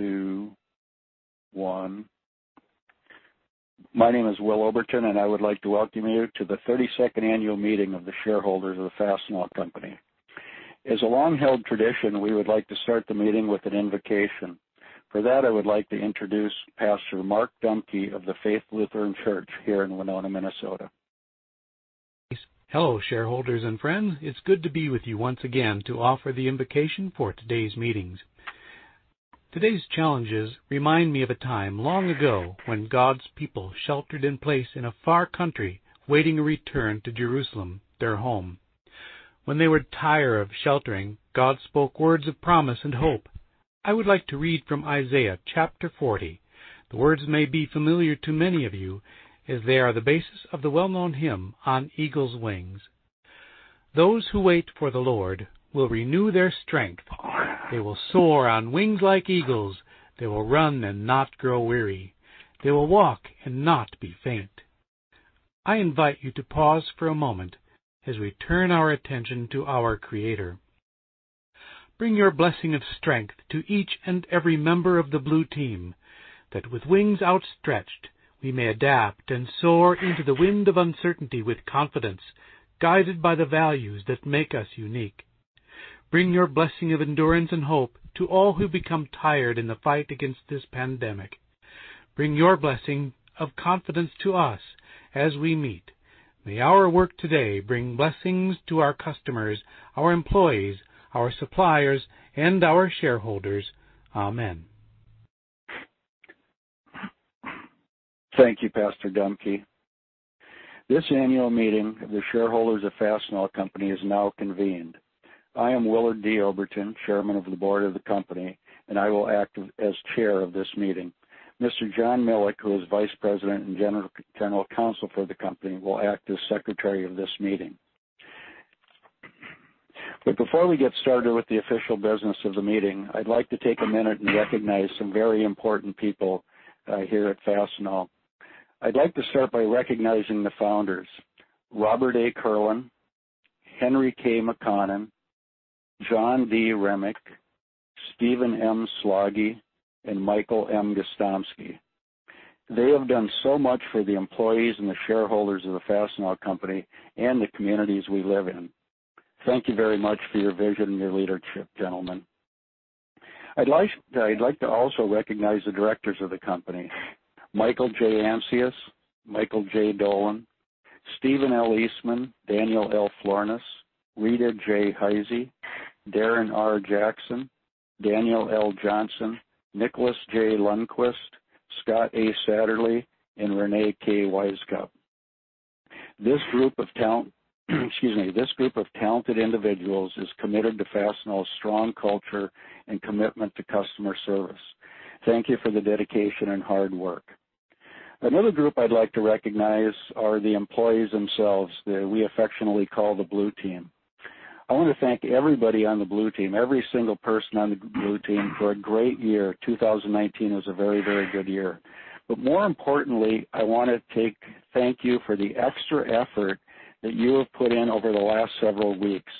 Two, one. My name is Will Oberton, and I would like to welcome you to the 32nd annual meeting of the shareholders of the Fastenal Company. As a long-held tradition, we would like to start the meeting with an invocation. For that, I would like to introduce Pastor Mark Dumke of the Faith Lutheran Church here in Winona, Minnesota. Hello, shareholders and friends. It's good to be with you once again to offer the invocation for today's meetings. Today's challenges remind me of a time long ago when God's people sheltered in place in a far country, waiting to return to Jerusalem, their home. When they were tired of sheltering, God spoke words of promise and hope. I would like to read from Isaiah chapter 40. The words may be familiar to many of you, as they are the basis of the well-known hymn "On Eagle's Wings." "Those who wait for the Lord will renew their strength. They will soar on wings like eagles. They will run and not grow weary. They will walk and not be faint." I invite you to pause for a moment as we turn our attention to our creator. Bring your blessing of strength to each and every member of the Blue Team, that with wings outstretched, we may adapt and soar into the wind of uncertainty with confidence, guided by the values that make us unique. Bring your blessing of endurance and hope to all who become tired in the fight against this pandemic. Bring your blessing of confidence to us as we meet. May our work today bring blessings to our customers, our employees, our suppliers, and our shareholders. Amen. Thank you, Pastor Dumke. This annual meeting of the shareholders of Fastenal Company is now convened. I am Willard D. Oberton, Chairman of the Board of the company, and I will act as Chair of this meeting. Mr. John Milek, who is Vice President and General Counsel for the company, will act as Secretary of this meeting. Before we get started with the official business of the meeting, I'd like to take a minute and recognize some very important people here at Fastenal. I'd like to start by recognizing the Founders, Robert A. Kierlin, Henry K. McConnon, John D. Remick, Steven M. Slaggie, and Michael M. Gostomski. They have done so much for the employees and the shareholders of the Fastenal Company and the communities we live in. Thank you very much for your vision and your leadership, gentlemen. I'd like to also recognize the directors of the company, Michael J. Ancius, Michael J. Dolan, Stephen L. Eastman, Daniel L. Florness, Rita J. Heise, Darren R. Jackson, Daniel L. Johnson, Nicholas J. Lundquist, Scott A. Satterlee, and Reyne K. Wisecup. This group of talented individuals is committed to Fastenal's strong culture and commitment to customer service. Thank you for the dedication and hard work. Another group I'd like to recognize are the employees themselves that we affectionately call the Blue Team. I want to thank everybody on the Blue Team, every single person on the Blue Team for a great year. 2019 was a very, very good year. More importantly, I want to thank you for the extra effort that you have put in over the last several weeks.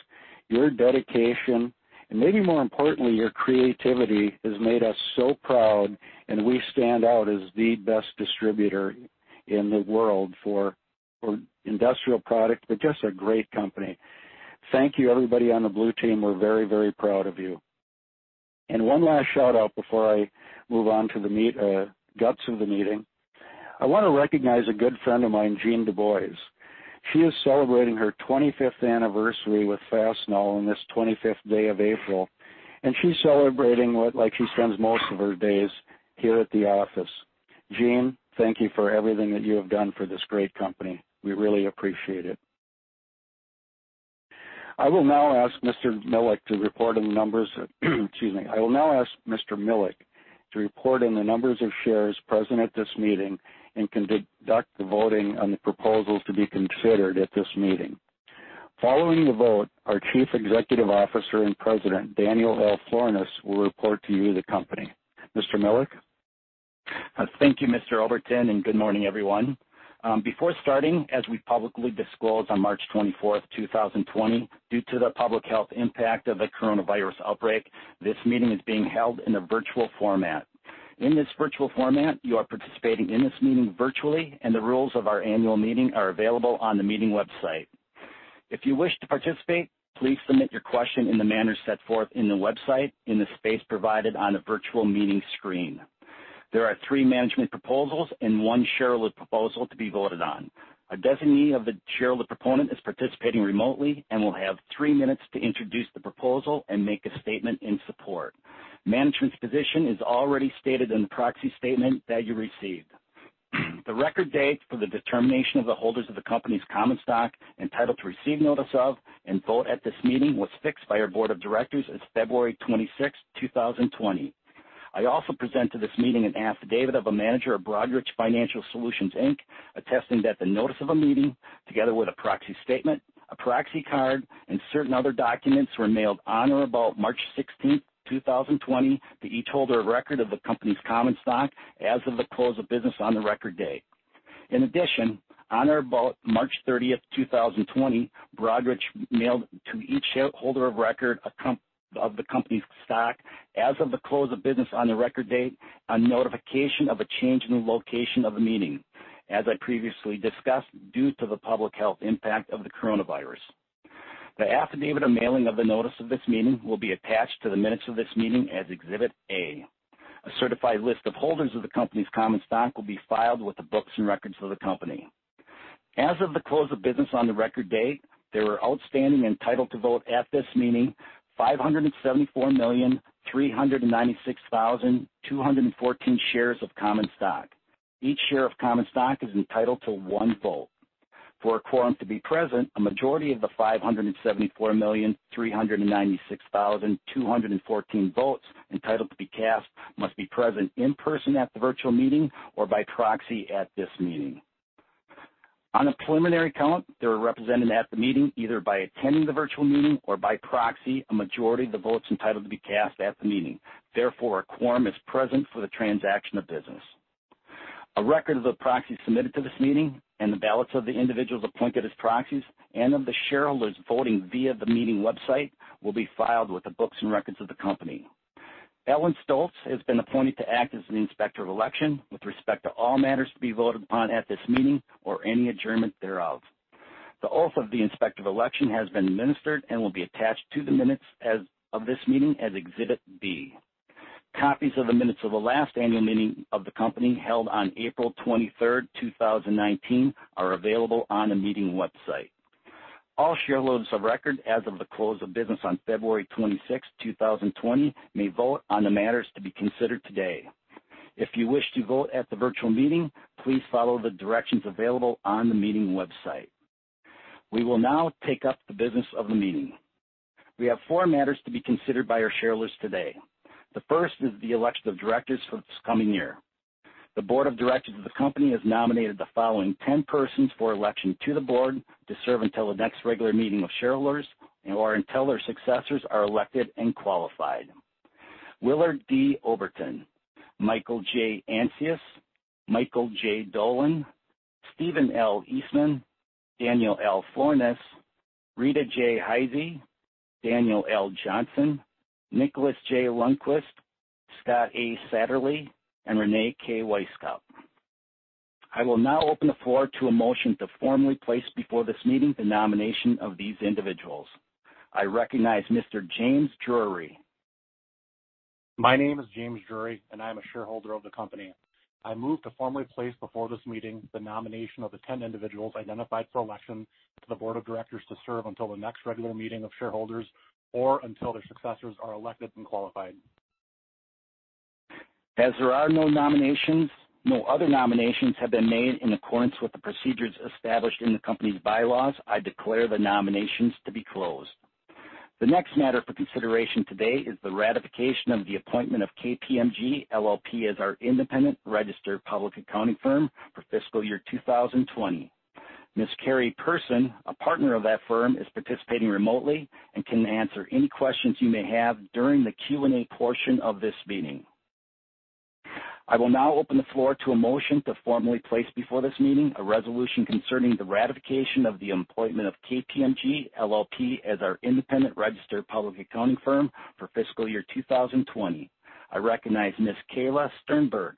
Your dedication, and maybe more importantly, your creativity, has made us so proud and we stand out as the best distributor in the world for industrial product, but just a great company. Thank you everybody on the Blue Team. We're very, very proud of you. One last shout-out before I move on to the guts of the meeting. I want to recognize a good friend of mine, Jean Dubois. She is celebrating her 25th anniversary with Fastenal on this 25th day of April, and she's celebrating like she spends most of her days, here at the office. Jean, thank you for everything that you have done for this great company. We really appreciate it. I will now ask Mr. Milek to report on the numbers of shares present at this meeting and conduct the voting on the proposals to be considered at this meeting. Following the vote, our Chief Executive Officer and President, Daniel L. Florness, will report to you the company. Mr. Milek. Thank you, Mr. Oberton. Good morning, everyone. Before starting, as we publicly disclosed on March 24th, 2020, due to the public health impact of the COVID-19 outbreak, this meeting is being held in a virtual format. In this virtual format, you are participating in this meeting virtually, and the rules of our annual meeting are available on the meeting website. If you wish to participate, please submit your question in the manner set forth in the website in the space provided on the virtual meeting screen. There are three management proposals and one shareholder proposal to be voted on. A designee of the shareholder proponent is participating remotely and will have three minutes to introduce the proposal and make a statement in support. Management's position is already stated in the proxy statement that you received. The record date for the determination of the holders of the company's common stock entitled to receive notice of and vote at this meeting was fixed by our Board of Directors as February 26th, 2020. I also present to this meeting an affidavit of a Manager of Broadridge Financial Solutions, Inc., attesting that the notice of a meeting, together with a proxy statement, a proxy card, and certain other documents were mailed on or about March 16th, 2020, to each holder of record of the company's common stock as of the close of business on the record date. On or about March 30th, 2020, Broadridge mailed to each shareholder of record of the company's stock, as of the close of business on the record date, a notification of a change in the location of the meeting, as I previously discussed, due to the public health impact of the coronavirus. The affidavit of mailing of the notice of this meeting will be attached to the minutes of this meeting as Exhibit A. A certified list of holders of the company's common stock will be filed with the books and records of the company. As of the close of business on the record date, there were outstanding entitled to vote at this meeting, 574,396,214 shares of common stock. Each share of common stock is entitled to one vote. For a quorum to be present, a majority of the 574,396,214 votes entitled to be cast must be present in person at the virtual meeting or by proxy at this meeting. On a preliminary count, there are represented at the meeting, either by attending the virtual meeting or by proxy, a majority of the votes entitled to be cast at the meeting. Therefore, a quorum is present for the transaction of business. A record of the proxies submitted to this meeting and the ballots of the individuals appointed as proxies and of the shareholders voting via the meeting website will be filed with the books and records of the company. Ellen Stolts has been appointed to act as the Inspector of Election with respect to all matters to be voted upon at this meeting or any adjournment thereof. The oath of the Inspector of Election has been administered and will be attached to the minutes of this meeting as Exhibit B. Copies of the minutes of the last annual meeting of the company held on April 23rd, 2019, are available on the meeting website. All shareholders of record as of the close of business on February 26th, 2020, may vote on the matters to be considered today. If you wish to vote at the virtual meeting, please follow the directions available on the meeting website. We will now take up the business of the meeting. We have four matters to be considered by our shareholders today. The first is the election of directors for this coming year. The Board of Directors of the company has nominated the following as persons for election to the board to serve until the next regular meeting of shareholders or until their successors are elected and qualified. Willard D. Oberton, Michael J. Ancius, Michael J. Dolan, Stephen L. Eastman, Daniel L. Florness, Rita J. Heise, Daniel L. Johnson, Nicholas J. Lundquist, Scott A. Satterlee, and Reyne K. Wisecup. I will now open the floor to a motion to formally place before this meeting the nomination of these individuals. I recognize Mr. James Drury. My name is James Drury, and I am a shareholder of the company. I move to formally place before this meeting the nomination of the 10 individuals identified for election to the board of directors to serve until the next regular meeting of shareholders or until their successors are elected and qualified. As there are no nominations, no other nominations have been made in accordance with the procedures established in the company's bylaws, I declare the nominations to be closed. The next matter for consideration today is the ratification of the appointment of KPMG LLP as our independent registered public accounting firm for fiscal year 2020. Ms. Carrie Person, a partner of that firm, is participating remotely and can answer any questions you may have during the Q&A portion of this meeting. I will now open the floor to a motion to formally place before this meeting a resolution concerning the ratification of the appointment of KPMG LLP as our independent registered public accounting firm for fiscal year 2020. I recognize Ms. Kayla Sternberg.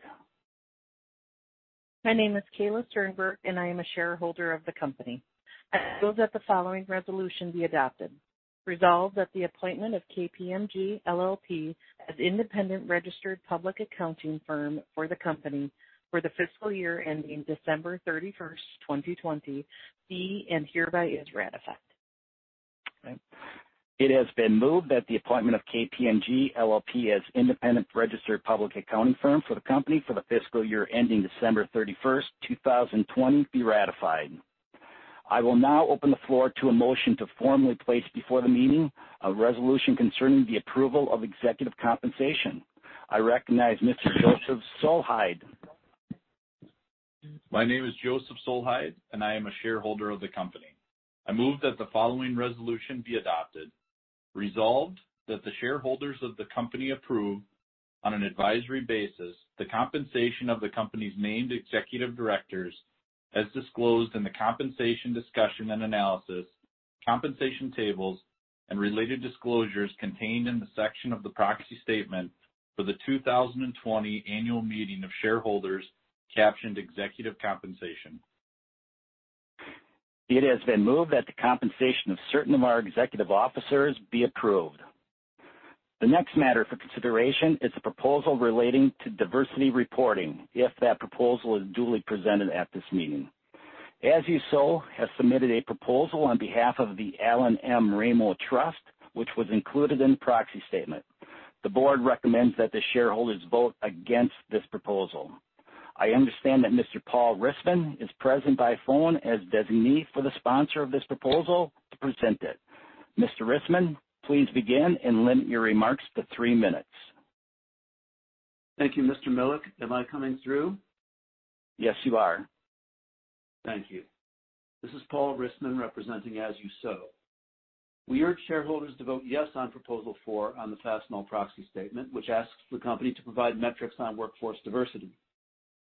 My name is Kayla Sternberg, and I am a shareholder of the company. I move that the following resolution be adopted. Resolved that the appointment of KPMG LLP as independent registered public accounting firm for the company for the fiscal year ending December 31st, 2020 be and hereby is ratified. Okay. It has been moved that the appointment of KPMG LLP as independent registered public accounting firm for the company for the fiscal year ending December 31st, 2020 be ratified. I will now open the floor to a motion to formally place before the meeting a resolution concerning the approval of executive compensation. I recognize Mr. Joseph Solheid. My name is Joseph Solheid, and I am a shareholder of the company. I move that the following resolution be adopted. Resolved that the shareholders of the company approve on an advisory basis the compensation of the company's named Executive Directors as disclosed in the compensation discussion and analysis, compensation tables, and related disclosures contained in the section of the proxy statement for the 2020 annual meeting of shareholders captioned Executive Compensation. It has been moved that the compensation of certain of our executive officers be approved. The next matter for consideration is the proposal relating to diversity reporting if that proposal is duly presented at this meeting. As You Sow has submitted a proposal on behalf of the Allan M. Ramo Trust, which was included in the proxy statement. The board recommends that the shareholders vote against this proposal. I understand that Mr. Paul Rissman is present by phone as designee for the sponsor of this proposal to present it. Mr. Rissman, please begin and limit your remarks to three minutes. Thank you, Mr. Milek. Am I coming through? Yes, you are. Thank you. This is Paul Rissman representing As You Sow. We urge shareholders to vote yes on Proposal 4 on the Fastenal proxy statement, which asks the company to provide metrics on workforce diversity.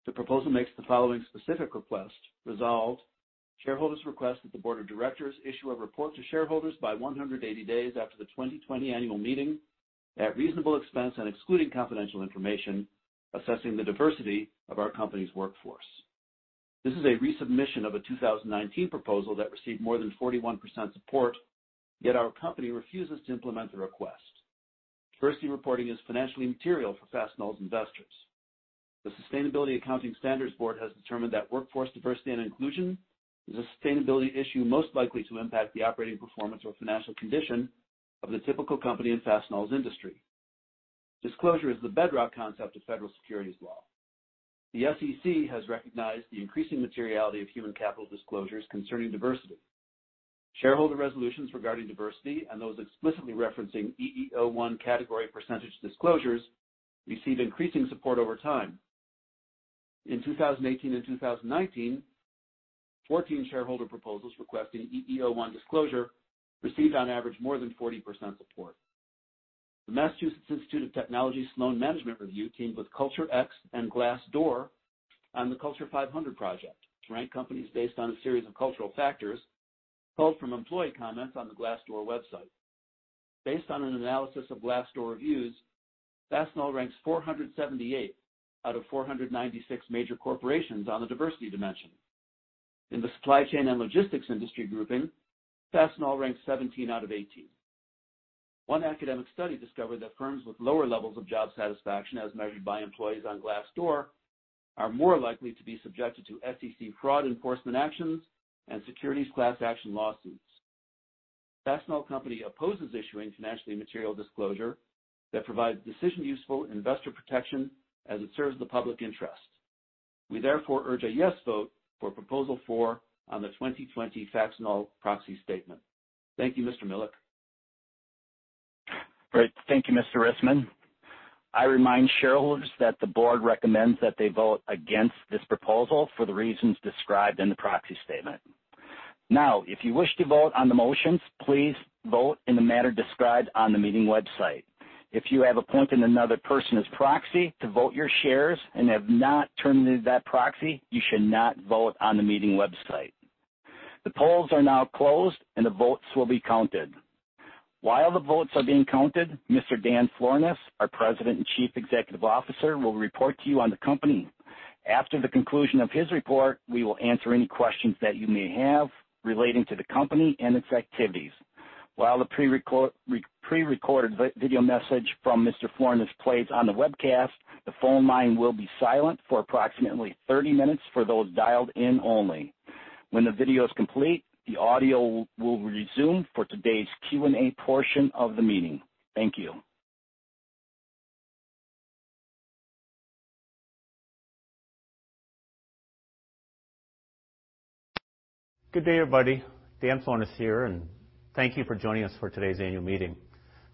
The proposal makes the following specific request. Resolved, shareholders request that the board of directors issue a report to shareholders by 180 days after the 2020 annual meeting at reasonable expense and excluding confidential information, assessing the diversity of our company's workforce. This is a resubmission of a 2019 proposal that received more than 41% support, yet our company refuses to implement the request. Diversity reporting is financially material for Fastenal's investors. The Sustainability Accounting Standards Board has determined that workforce diversity and inclusion is a sustainability issue most likely to impact the operating performance or financial condition of the typical company in Fastenal's industry. Disclosure is the bedrock concept of federal securities law. The SEC has recognized the increasing materiality of human capital disclosures concerning diversity. Shareholder resolutions regarding diversity and those explicitly referencing EEO-1 category percentage disclosures received increasing support over time. In 2018 and 2019, 14 shareholder proposals requesting EEO-1 disclosure received on average more than 40% support. The Massachusetts Institute of Technology Sloan Management Review teamed with CultureX and Glassdoor on the Culture 500 project to rank companies based on a series of cultural factors pulled from employee comments on the Glassdoor website. Based on an analysis of Glassdoor reviews, Fastenal ranks 478 out of 496 major corporations on the diversity dimension. In the supply chain and logistics industry grouping, Fastenal ranks 17 out of 18. One academic study discovered that firms with lower levels of job satisfaction, as measured by employees on Glassdoor, are more likely to be subjected to SEC fraud enforcement actions and securities class action lawsuits. Fastenal Company opposes issuing financially material disclosure that provides decision-useful investor protection as it serves the public interest. We urge a yes vote for Proposal 4 on the 2020 Fastenal proxy statement. Thank you, Mr. Milek. Great. Thank you, Mr. Rissman. I remind shareholders that the board recommends that they vote against this proposal for the reasons described in the proxy statement. If you wish to vote on the motions, please vote in the manner described on the meeting website. If you have appointed another person as proxy to vote your shares and have not terminated that proxy, you should not vote on the meeting website. The polls are now closed, and the votes will be counted. While the votes are being counted, Mr. Dan Florness, our President and Chief Executive Officer, will report to you on the company. After the conclusion of his report, we will answer any questions that you may have relating to the company and its activities. While the prerecorded video message from Mr. Florness plays on the webcast, the phone line will be silent for approximately 30 minutes for those dialed in only. When the video is complete, the audio will resume for today's Q&A portion of the meeting. Thank you. Good day, everybody. Dan Florness here, thank you for joining us for today's annual meeting.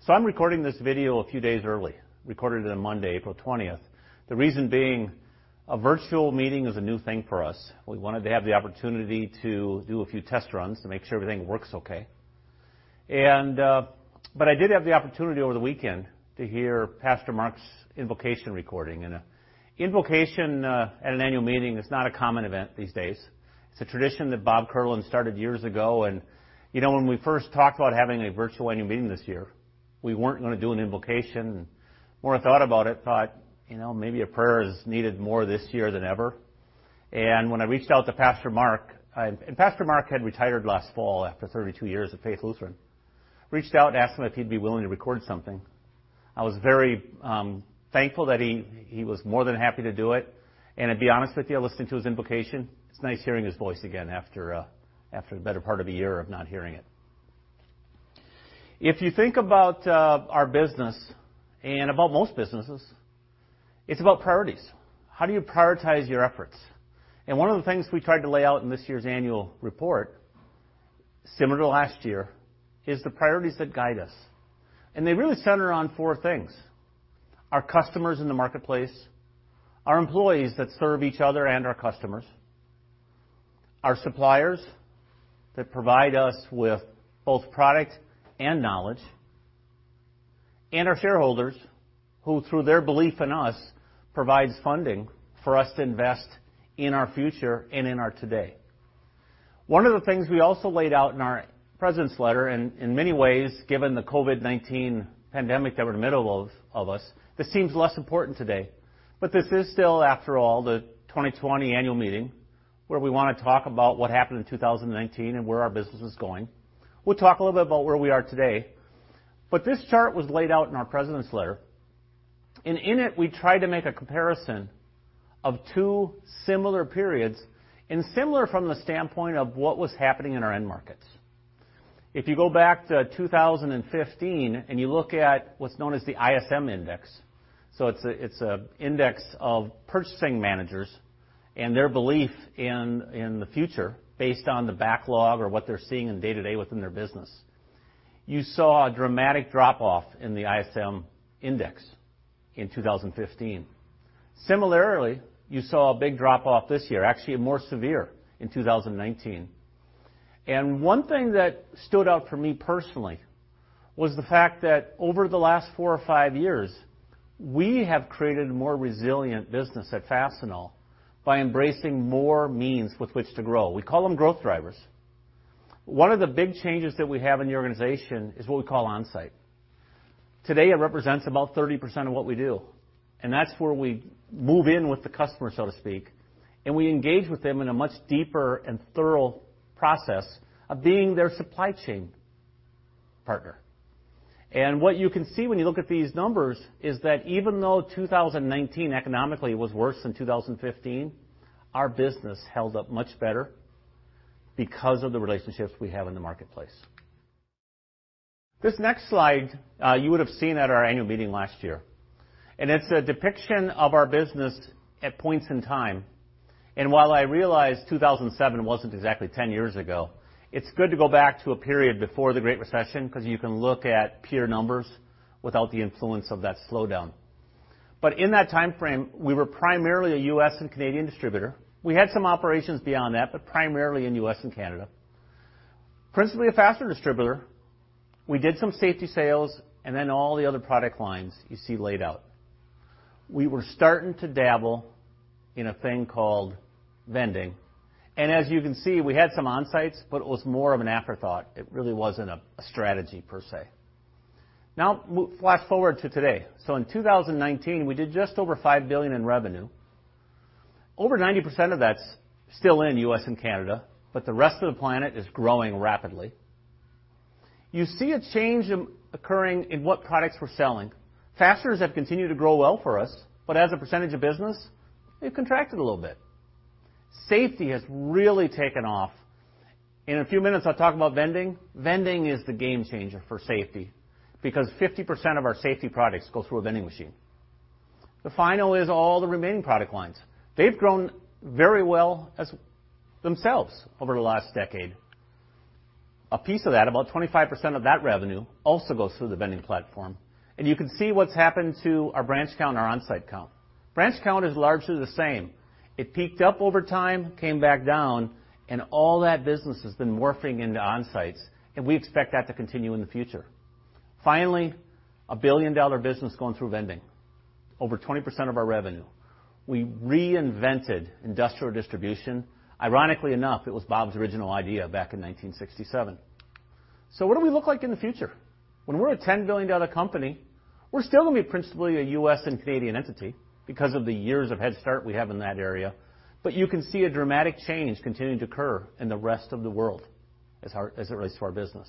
I'm recording this video a few days early, recorded it on Monday, April 20th. The reason being, a virtual meeting is a new thing for us. We wanted to have the opportunity to do a few test runs to make sure everything works okay. I did have the opportunity over the weekend to hear Pastor Mark's invocation recording. An invocation, at an annual meeting is not a common event these days. It's a tradition that Bob Kierlin started years ago, when we first talked about having a virtual annual meeting this year, we weren't going to do an invocation. The more I thought about it, I thought, maybe a prayer is needed more this year than ever. When I reached out to Pastor Mark. Pastor Mark had retired last fall after 32 years at Faith Lutheran. I reached out and asked him if he'd be willing to record something. I was very thankful that he was more than happy to do it. To be honest with you, listening to his invocation, it's nice hearing his voice again after the better part of a year of not hearing it. If you think about our business and about most businesses, it's about priorities. How do you prioritize your efforts? One of the things we tried to lay out in this year's annual report, similar to last year, is the priorities that guide us. They really center on four things. Our customers in the marketplace, our employees that serve each other and our customers, our suppliers that provide us with both product and knowledge, and our shareholders, who through their belief in us, provides funding for us to invest in our future and in our today. One of the things we also laid out in our President's letter, and in many ways, given the COVID-19 pandemic that we're in the middle of us, this seems less important today, but this is still, after all, the 2020 annual meeting where we want to talk about what happened in 2019 and where our business is going. We'll talk a little bit about where we are today, but this chart was laid out in our President's letter, and in it, we tried to make a comparison of two similar periods, and similar from the standpoint of what was happening in our end markets. If you go back to 2015 and you look at what's known as the ISM Index, so it's an index of purchasing managers and their belief in the future based on the backlog or what they're seeing in day-to-day within their business. You saw a dramatic drop-off in the ISM Index in 2015. Similarly, you saw a big drop-off this year, actually more severe in 2019. One thing that stood out for me personally was the fact that over the last four or five years, we have created a more resilient business at Fastenal by embracing more means with which to grow. We call them growth drivers. One of the big changes that we have in the organization is what we call on-site. Today, it represents about 30% of what we do, and that's where we move in with the customer, so to speak, and we engage with them in a much deeper and thorough process of being their supply chain partner. What you can see when you look at these numbers is that even though 2019 economically was worse than 2015, our business held up much better because of the relationships we have in the marketplace. This next slide, you would have seen at our annual meeting last year, and it's a depiction of our business at points in time. While I realize 2007 wasn't exactly 10 years ago, it's good to go back to a period before the Great Recession because you can look at peer numbers without the influence of that slowdown. In that timeframe, we were primarily a U.S. and Canadian distributor. We had some operations beyond that, but primarily in U.S. and Canada. Principally a fastener distributor. We did some safety sales and then all the other product lines you see laid out. We were starting to dabble in a thing called vending. As you can see, we had some on-sites, but it was more of an afterthought. It really wasn't a strategy per se. Now flash forward to today. In 2019, we did just over $5 billion in revenue. Over 90% of that's still in U.S. and Canada, but the rest of the planet is growing rapidly. You see a change occurring in what products we're selling. Fasteners have continued to grow well for us, but as a percentage of business, they've contracted a little bit. Safety has really taken off. In a few minutes, I'll talk about vending. Vending is the game changer for safety because 50% of our safety products go through a vending machine. The final is all the remaining product lines. They've grown very well as themselves over the last decade. A piece of that, about 25% of that revenue also goes through the vending platform. You can see what's happened to our branch count and our on-site count. Branch count is largely the same. It peaked up over time, came back down, and all that business has been morphing into on-sites, and we expect that to continue in the future. Finally, a billion-dollar business going through vending. Over 20% of our revenue. We reinvented industrial distribution. Ironically enough, it was Bob's original idea back in 1967. What do we look like in the future? When we're a $10 billion company, we're still going to be principally a U.S. and Canadian entity because of the years of head start we have in that area. You can see a dramatic change continuing to occur in the rest of the world as it relates to our business.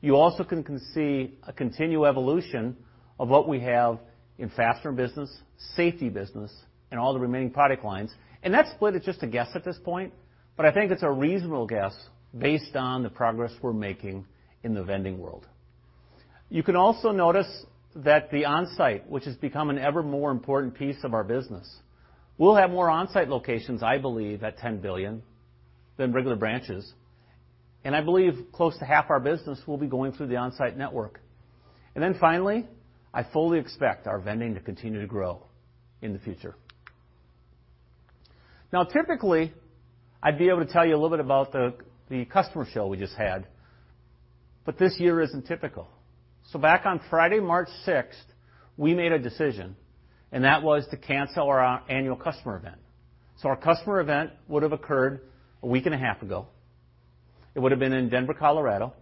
You also can see a continued evolution of what we have in fastener business, safety business, and all the remaining product lines. That split is just a guess at this point, but I think it's a reasonable guess based on the progress we're making in the vending world. You can also notice that the on-site, which has become an ever more important piece of our business, we'll have more on-site locations, I believe, at $10 billion than regular branches. I believe close to half our business will be going through the on-site network. I fully expect our vending to continue to grow in the future. Typically, I'd be able to tell you a little bit about the customer show we just had, but this year isn't typical. Back on Friday, March 6th, we made a decision, and that was to cancel our annual customer event. Our customer event would have occurred a week and a half ago. It would have been in Denver, Colorado.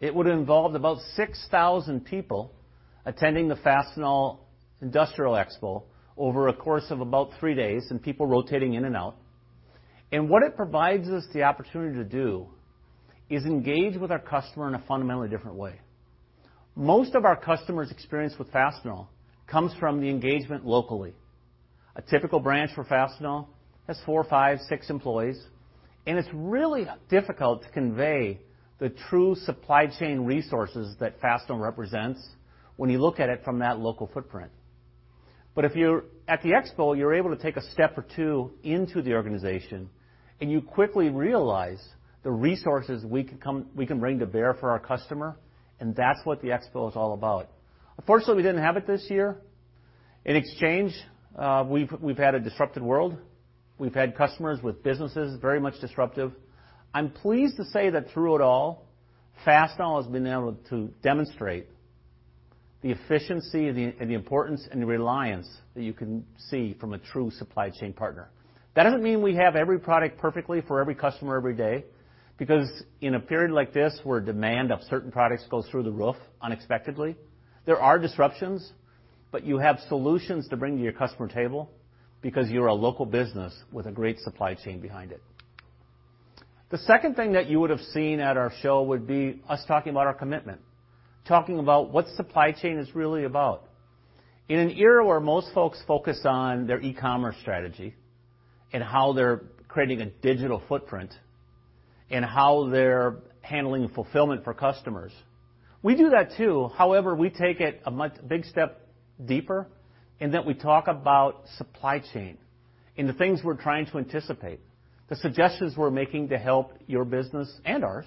It would have involved about 6,000 people attending the Fastenal Industrial Expo over a course of about three days and people rotating in and out. What it provides us the opportunity to do is engage with our customer in a fundamentally different way. Most of our customers' experience with Fastenal comes from the engagement locally. A typical branch for Fastenal has four, five, six employees, and it's really difficult to convey the true supply chain resources that Fastenal represents when you look at it from that local footprint. If you're at the Expo, you're able to take a step or two into the organization, and you quickly realize the resources we can bring to bear for our customer, and that's what the Expo is all about. Unfortunately, we didn't have it this year. In exchange, we've had a disrupted world. We've had customers with businesses very much disruptive. I'm pleased to say that through it all, Fastenal has been able to demonstrate the efficiency and the importance and the reliance that you can see from a true supply chain partner. That doesn't mean we have every product perfectly for every customer every day, because in a period like this where demand of certain products goes through the roof unexpectedly, there are disruptions, but you have solutions to bring to your customer table because you're a local business with a great supply chain behind it. The second thing that you would have seen at our show would be us talking about our commitment, talking about what supply chain is really about. In an era where most folks focus on their e-commerce strategy and how they're creating a digital footprint and how they're handling fulfillment for customers, we do that too. However, we take it a big step deeper in that we talk about supply chain and the things we're trying to anticipate, the suggestions we're making to help your business and ours.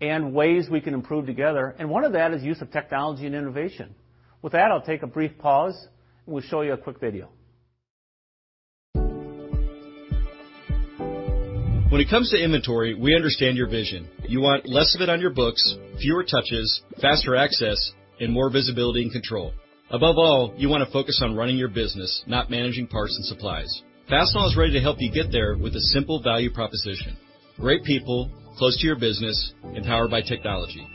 Ways we can improve together, and one of that is use of technology and innovation. With that, I'll take a brief pause, and we'll show you a quick video. When it comes to inventory, we understand your vision. You want less of it on your books, fewer touches, faster access, and more visibility and control. Above all, you want to focus on running your business, not managing parts and supplies. Fastenal is ready to help you get there with a simple value proposition: great people, close to your business, empowered by technology.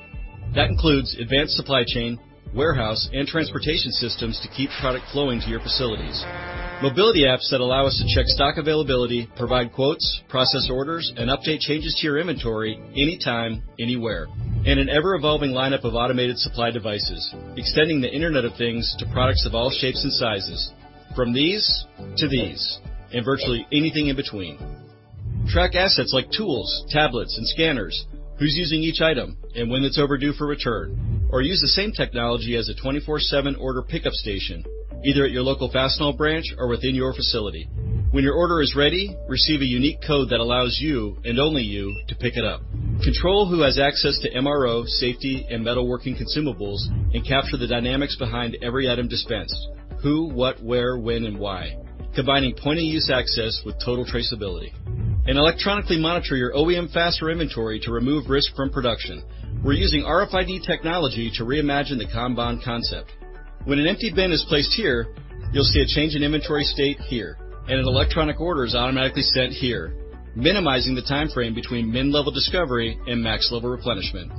That includes advanced supply chain, warehouse, and transportation systems to keep product flowing to your facilities. Mobility apps that allow us to check stock availability, provide quotes, process orders, and update changes to your inventory anytime, anywhere. An ever-evolving lineup of automated supply devices, extending the Internet of Things to products of all shapes and sizes, from these to these, and virtually anything in between. Track assets like tools, tablets, and scanners, who's using each item, and when it's overdue for return. Use the same technology as a 24/7 order pickup station, either at your local Fastenal branch or within your facility. When your order is ready, receive a unique code that allows you, and only you, to pick it up. Control who has access to MRO, safety, and metalworking consumables, and capture the dynamics behind every item dispensed: who, what, where, when, and why, combining point-of-use access with total traceability. Electronically monitor your OEM faster inventory to remove risk from production. We're using RFID technology to reimagine the kanban concept. When an emptied bin is placed here, you'll see a change in inventory state here, and an electronic order is automatically sent here, minimizing the timeframe between min level discovery and max level replenishment.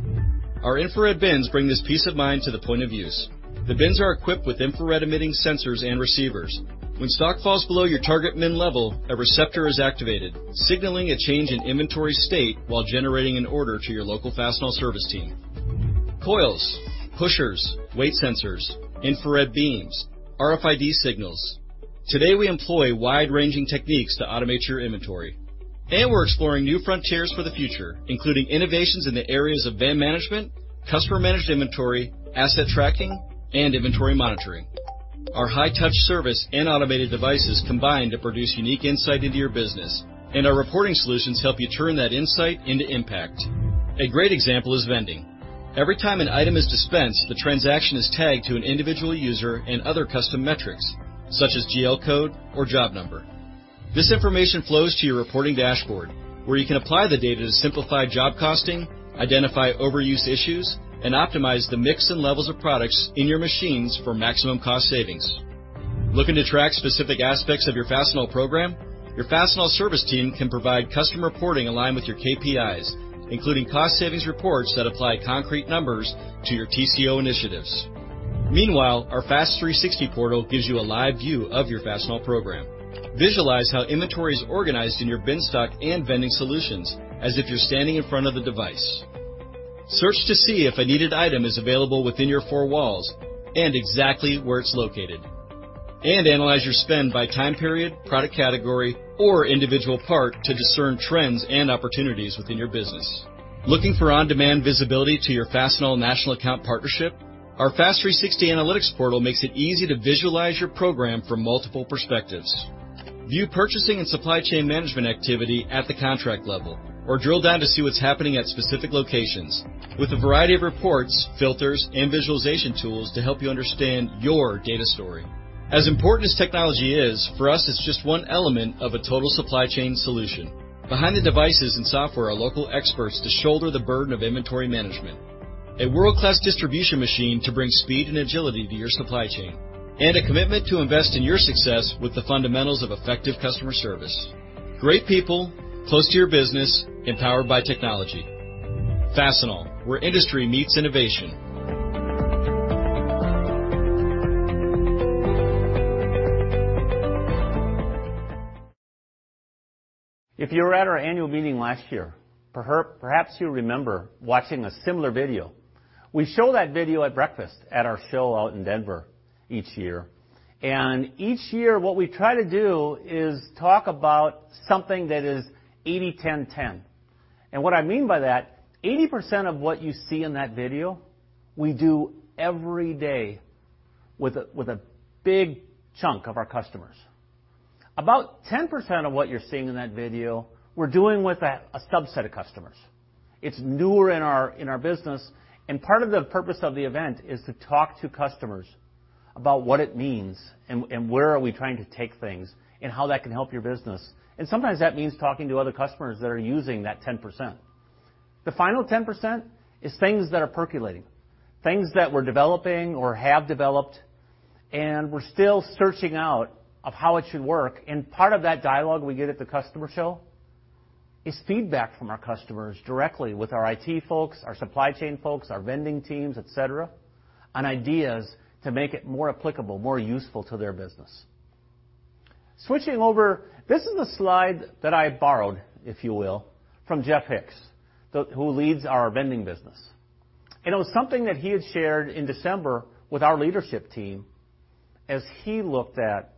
Our infrared bins bring this peace of mind to the point of use. The bins are equipped with infrared emitting sensors and receivers. When stock falls below your target min level, a receptor is activated, signaling a change in inventory state while generating an order to your local Fastenal service team. Coils, pushers, weight sensors, infrared beams, RFID signals. Today, we employ wide-ranging techniques to automate your inventory. We're exploring new frontiers for the future, including innovations in the areas of bin management, customer-managed inventory, asset tracking, and inventory monitoring. Our high-touch service and automated devices combine to produce unique insight into your business, and our reporting solutions help you turn that insight into impact. A great example is vending. Every time an item is dispensed, the transaction is tagged to an individual user and other custom metrics, such as GL code or job number. This information flows to your reporting dashboard, where you can apply the data to simplify job costing, identify overuse issues, and optimize the mix and levels of products in your machines for maximum cost savings. Looking to track specific aspects of your Fastenal program? Your Fastenal service team can provide custom reporting aligned with your KPIs, including cost savings reports that apply concrete numbers to your TCO initiatives. Meanwhile, our FAST 360 portal gives you a live view of your Fastenal program. Visualize how inventory is organized in your bin stock and vending solutions as if you're standing in front of the device. Search to see if a needed item is available within your four walls and exactly where it's located. Analyze your spend by time period, product category, or individual part to discern trends and opportunities within your business. Looking for on-demand visibility to your Fastenal national account partnership? Our FAST 360 analytics portal makes it easy to visualize your program from multiple perspectives. View purchasing and supply chain management activity at the contract level, or drill down to see what's happening at specific locations with a variety of reports, filters, and visualization tools to help you understand your data story. As important as technology is, for us, it's just one element of a total supply chain solution. Behind the devices and software are local experts to shoulder the burden of inventory management, a world-class distribution machine to bring speed and agility to your supply chain, and a commitment to invest in your success with the fundamentals of effective customer service. Great people, close to your business, empowered by technology. Fastenal: where industry meets innovation. If you were at our annual meeting last year, perhaps you remember watching a similar video. We show that video at breakfast at our show out in Denver each year. Each year, what we try to do is talk about something that is 80/10/10. What I mean by that, 80% of what you see in that video, we do every day with a big chunk of our customers. About 10% of what you're seeing in that video, we're doing with a subset of customers. It's newer in our business, and part of the purpose of the event is to talk to customers about what it means and where are we trying to take things and how that can help your business. Sometimes that means talking to other customers that are using that 10%. The final 10% is things that are percolating, things that we're developing or have developed, and we're still searching out of how it should work, and part of that dialogue we get at the customer show is feedback from our customers directly with our IT folks, our supply chain folks, our vending teams, et cetera, on ideas to make it more applicable, more useful to their business. Switching over, this is a slide that I borrowed, if you will, from Jeff Hicks, who leads our vending business. It was something that he had shared in December with our leadership team as he looked at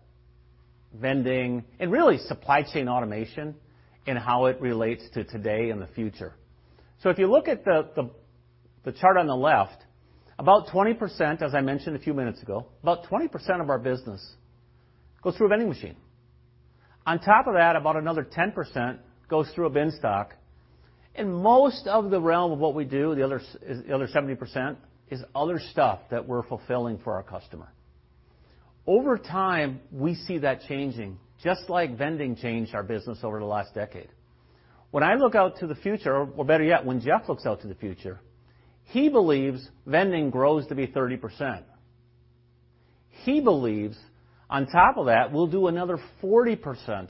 vending and really supply chain automation and how it relates to today and the future. If you look at the chart on the left, about 20%, as I mentioned a few minutes ago, about 20% of our business goes through a vending machine. On top of that, about another 10% goes through a bin stock. Most of the realm of what we do, the other 70%, is other stuff that we're fulfilling for our customer. Over time, we see that changing, just like vending changed our business over the last decade. When I look out to the future, or better yet, when Jeff looks out to the future, he believes vending grows to be 30%. He believes, on top of that, we'll do another 40%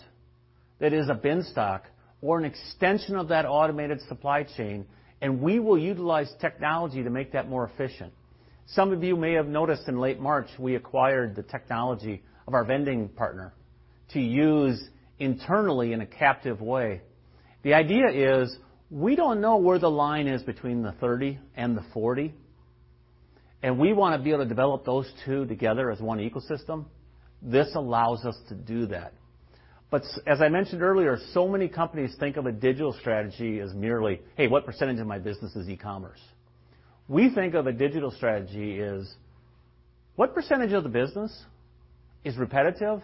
that is a bin stock or an extension of that automated supply chain, and we will utilize technology to make that more efficient. Some of you may have noticed in late March, we acquired the technology of our vending partner to use internally in a captive way. The idea is, we don't know where the line is between the 30 and the 40, and we want to be able to develop those two together as one ecosystem. This allows us to do that. As I mentioned earlier, so many companies think of a digital strategy as merely, "Hey, what percentage of my business is e-commerce?" We think of a digital strategy is, what percent of the business is repetitive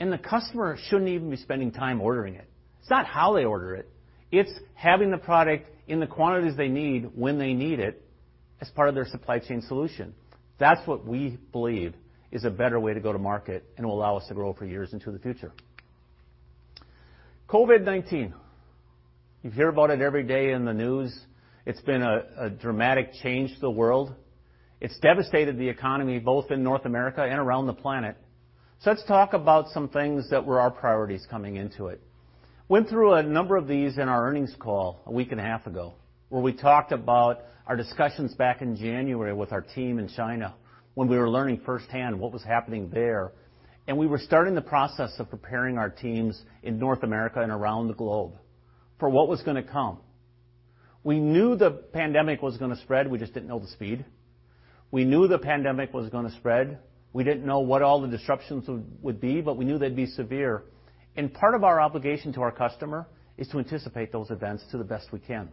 and the customer shouldn't even be spending time ordering it? It's not how they order it. It's having the product in the quantities they need, when they need it, as part of their supply chain solution. That's what we believe is a better way to go-to-market and will allow us to grow for years into the future. COVID-19. You hear about it every day in the news. It's been a dramatic change to the world. It's devastated the economy, both in North America and around the planet. Let's talk about some things that were our priorities coming into it. Went through a number of these in our earnings call a week and a half ago, where we talked about our discussions back in January with our team in China when we were learning firsthand what was happening there. We were starting the process of preparing our teams in North America and around the globe for what was going to come. We knew the pandemic was going to spread, we just didn't know the speed. We knew the pandemic was going to spread. We didn't know what all the disruptions would be, but we knew they'd be severe. Part of our obligation to our customer is to anticipate those events to the best we can.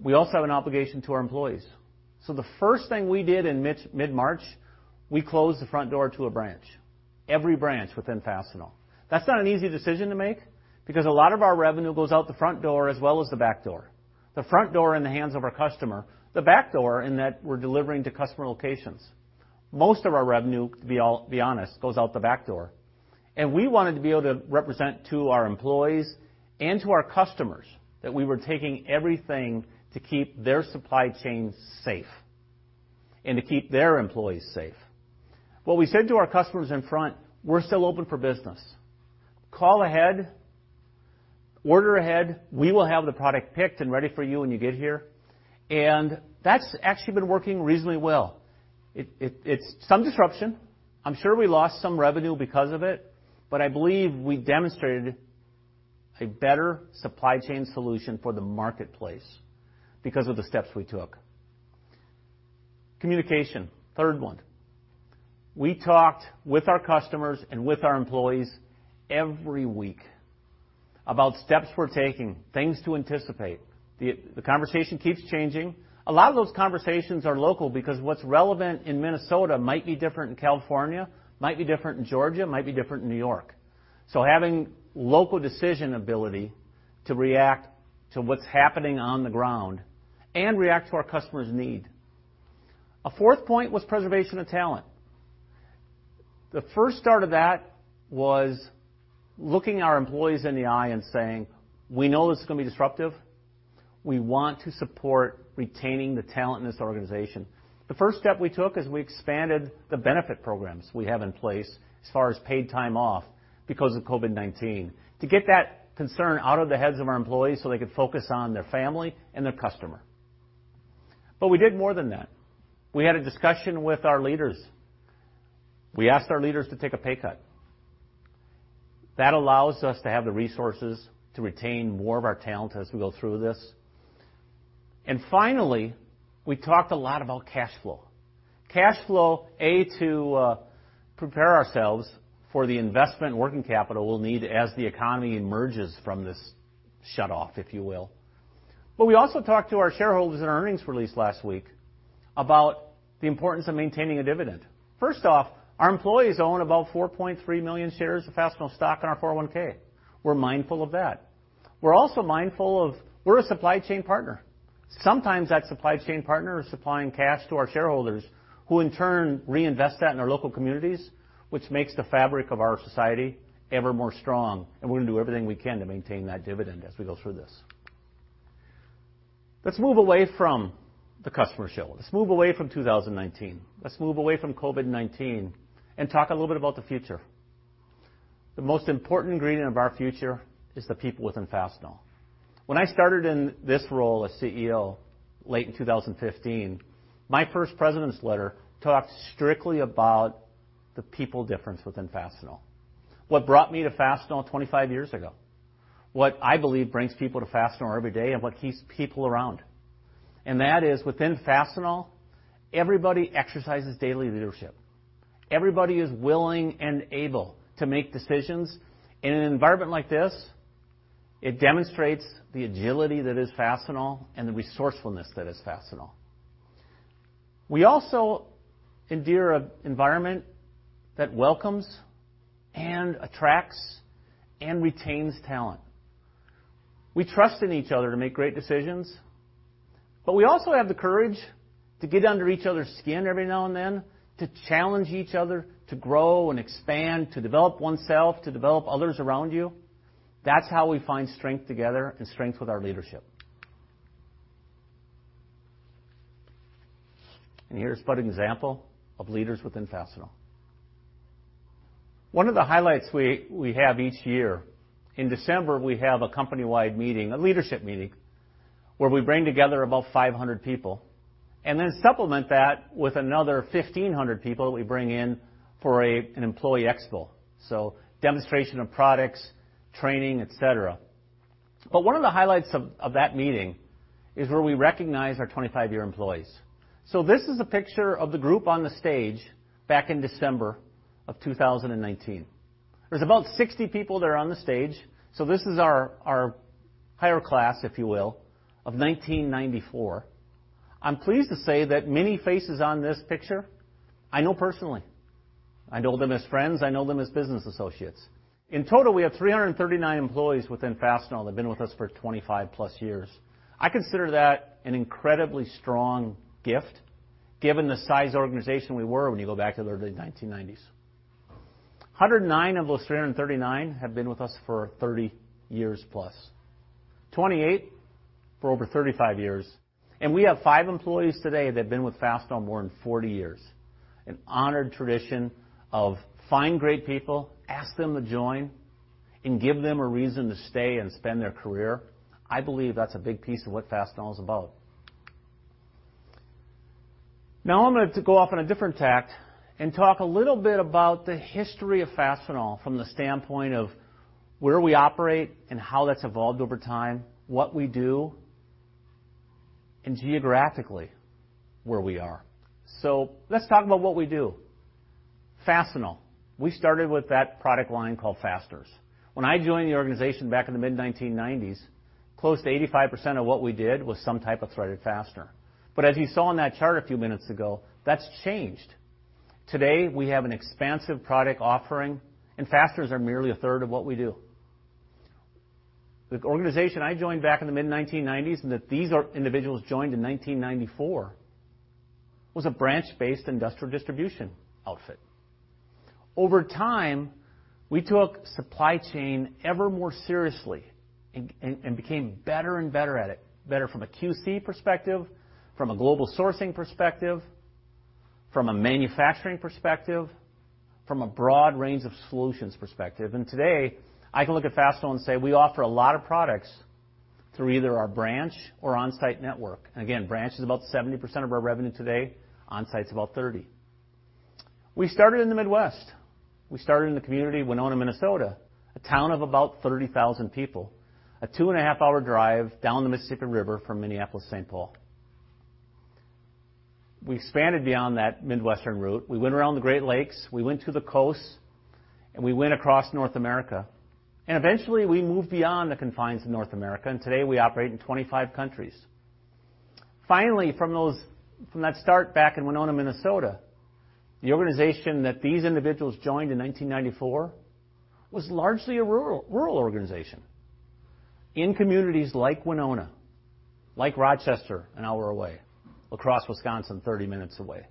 We also have an obligation to our employees. The first thing we did in mid-March, we closed the front door to a branch, every branch within Fastenal. That's not an easy decision to make because a lot of our revenue goes out the front door as well as the back door. The front door in the hands of our customer. The back door in that we're delivering to customer locations. Most of our revenue, to be honest, goes out the back door. We wanted to be able to represent to our employees and to our customers that we were taking everything to keep their supply chain safe and to keep their employees safe. What we said to our customers in front, "We're still open for business. Call ahead. Order ahead. We will have the product picked and ready for you when you get here." That's actually been working reasonably well. It's some disruption. I'm sure we lost some revenue because of it, but I believe we demonstrated a better supply chain solution for the marketplace because of the steps we took. Communication, third one. We talked with our customers and with our employees every week about steps we're taking, things to anticipate. The conversation keeps changing. A lot of those conversations are local because what's relevant in Minnesota might be different in California, might be different in Georgia, might be different in New York. Having local decision ability to react to what's happening on the ground and react to our customer's need. A fourth point was preservation of talent. The first start of that was looking our employees in the eye and saying, "We know this is going to be disruptive. We want to support retaining the talent in this organization." The first step we took is we expanded the benefit programs we have in place as far as paid time off because of COVID-19, to get that concern out of the heads of our employees so they could focus on their family and their customer. We did more than that. We had a discussion with our leaders. We asked our leaders to take a pay cut. That allows us to have the resources to retain more of our talent as we go through this. Finally, we talked a lot about cash flow. Cash flow, A, to prepare ourselves for the investment working capital we'll need as the economy emerges from this shutoff, if you will. We also talked to our shareholders in our earnings release last week about the importance of maintaining a dividend. First off, our employees own about 4.3 million shares of Fastenal stock in our 401(k). We're mindful of that. We're also mindful of we're a supply chain partner. Sometimes that supply chain partner is supplying cash to our shareholders, who in turn reinvest that in our local communities, which makes the fabric of our society ever more strong, and we're going to do everything we can to maintain that dividend as we go through this. Let's move away from the customer show. Let's move away from 2019. Let's move away from COVID-19 and talk a little bit about the future. The most important ingredient of our future is the people within Fastenal. When I started in this role as CEO late in 2015, my first President's letter talked strictly about the people difference within Fastenal. What brought me to Fastenal 25 years ago. What I believe brings people to Fastenal every day and what keeps people around. That is, within Fastenal, everybody exercises daily leadership. Everybody is willing and able to make decisions. In an environment like this, it demonstrates the agility that is Fastenal and the resourcefulness that is Fastenal. We also endear an environment that welcomes and attracts and retains talent. We trust in each other to make great decisions, but we also have the courage to get under each other's skin every now and then, to challenge each other, to grow and expand, to develop oneself, to develop others around you. That's how we find strength together and strength with our leadership. Here's but an example of leaders within Fastenal. One of the highlights we have each year, in December, we have a company-wide meeting, a leadership meeting, where we bring together about 500 people and then supplement that with another 1,500 people that we bring in for an employee expo. Demonstration of products, training, et cetera. One of the highlights of that meeting is where we recognize our 25-year employees. This is a picture of the group on the stage back in December of 2019. There's about 60 people that are on the stage. This is our higher class, if you will, of 1994. I'm pleased to say that many faces on this picture, I know personally. I know them as friends. I know them as business associates. In total, we have 339 employees within Fastenal that have been with us for 25+ years. I consider that an incredibly strong gift given the size organization we were when you go back to the early 1990s. 109 of those 339 have been with us for 30 years+ 28 for over 35 years. We have five employees today that have been with Fastenal more than 40 years. An honored tradition of find great people, ask them to join, and give them a reason to stay and spend their career. I believe that's a big piece of what Fastenal is about. Now I'm going to go off on a different tack and talk a little bit about the history of Fastenal from the standpoint of where we operate and how that's evolved over time, what we do, and geographically where we are. Let's talk about what we do. Fastenal. We started with that product line called fasteners. When I joined the organization back in the mid-1990s, close to 85% of what we did was some type of threaded fastener. As you saw on that chart a few minutes ago, that's changed. Today, we have an expansive product offering, and fasteners are merely a third of what we do. The organization I joined back in the mid-1990s, and that these individuals joined in 1994, was a branch-based industrial distribution outfit. Over time, we took supply chain ever more seriously and became better and better at it. Better from a QC perspective, from a global sourcing perspective, from a manufacturing perspective, from a broad range of solutions perspective. Today, I can look at Fastenal and say we offer a lot of products through either our branch or onsite network. Again, branch is about 70% of our revenue today, onsite's about 30%. We started in the Midwest. We started in the community of Winona, Minnesota, a town of about 30,000 people, a 2.5 hour drive down the Mississippi River from Minneapolis-St. Paul. We expanded beyond that Midwestern route. We went around the Great Lakes, we went to the coasts, and we went across North America. Eventually, we moved beyond the confines of North America, and today we operate in 25 countries. Finally, from that start back in Winona, Minnesota, the organization that these individuals joined in 1994 was largely a rural organization in communities like Winona, like Rochester, an hour away, La Crosse, Wisconsin, 30 minutes away.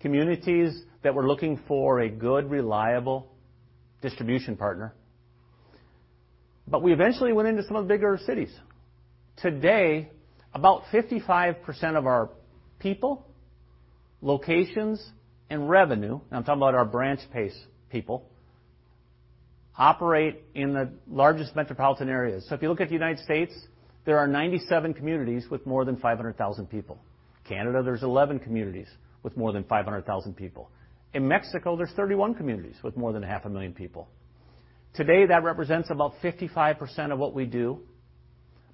Communities that were looking for a good, reliable distribution partner. We eventually went into some of the bigger cities. Today, about 55% of our people, locations, and revenue, and I'm talking about our branch-based people, operate in the largest metropolitan areas. If you look at the U.S., there are 97 communities with more than 500,000 people. Canada, there's 11 communities with more than 500,000 people. In Mexico, there's 31 communities with more than half a million people. Today, that represents about 55% of what we do.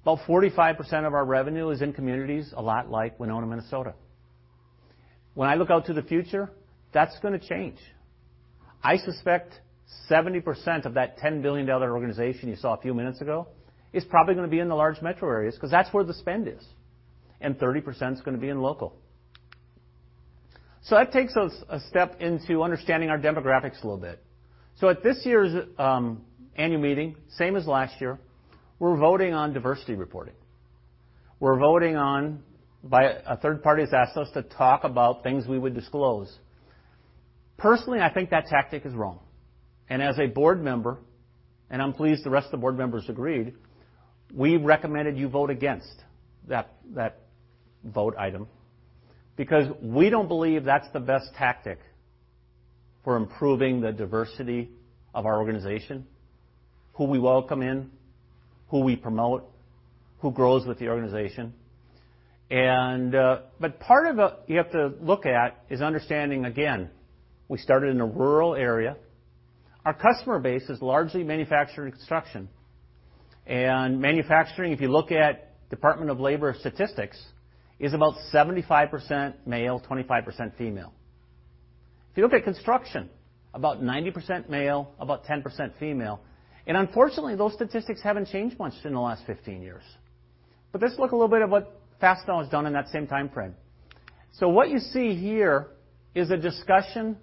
About 45% of our revenue is in communities a lot like Winona, Minnesota. When I look out to the future, that's going to change. I suspect 70% of that $10 billion organization you saw a few minutes ago is probably going to be in the large metro areas because that's where the spend is, and 30% is going to be in local. That takes us a step into understanding our demographics a little bit. At this year's annual meeting, same as last year, we're voting on diversity reporting. A third party has asked us to talk about things we would disclose. Personally, I think that tactic is wrong. As a board member, and I'm pleased the rest of the board members agreed, we recommended you vote against that vote item because we don't believe that's the best tactic for improving the diversity of our organization, who we welcome in, who we promote, who grows with the organization. Part of it you have to look at is understanding, again, we started in a rural area. Our customer base is largely manufacturing construction. Manufacturing, if you look at Department of Labor statistics, is about 75% male, 25% female. If you look at construction, about 90% male, about 10% female. Unfortunately, those statistics haven't changed much in the last 15 years. Let's look a little bit at what Fastenal has done in that same timeframe. What you see here is a discussion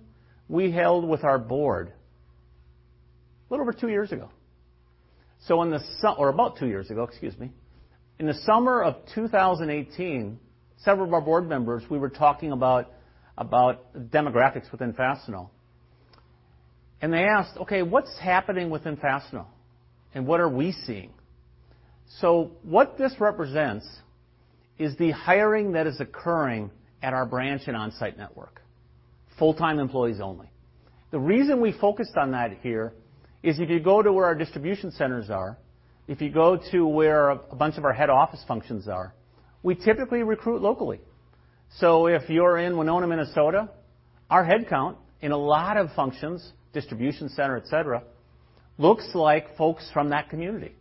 we held with our board a little over two years ago. About two years ago, excuse me. In the summer of 2018, several of our board members, we were talking about demographics within Fastenal. They asked, "Okay, what's happening within Fastenal, and what are we seeing?" What this represents is the hiring that is occurring at our branch and on-site network, full-time employees only. The reason we focused on that here is if you go to where our distribution centers are, if you go to where a bunch of our head office functions are, we typically recruit locally. If you're in Winona, Minnesota, our head count in a lot of functions, distribution center, et cetera, looks like folks from that community.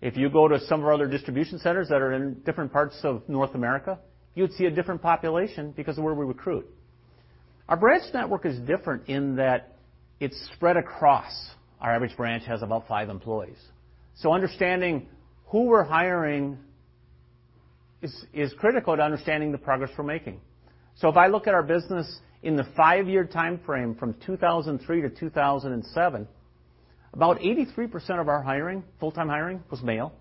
If you go to some of our other distribution centers that are in different parts of North America, you'd see a different population because of where we recruit. Our branch network is different in that it's spread across. Our average branch has about five employees. Understanding who we're hiring is critical to understanding the progress we're making. If I look at our business in the five-year timeframe from 2003 to 2007, about 83% of our hiring, full-time hiring, was male,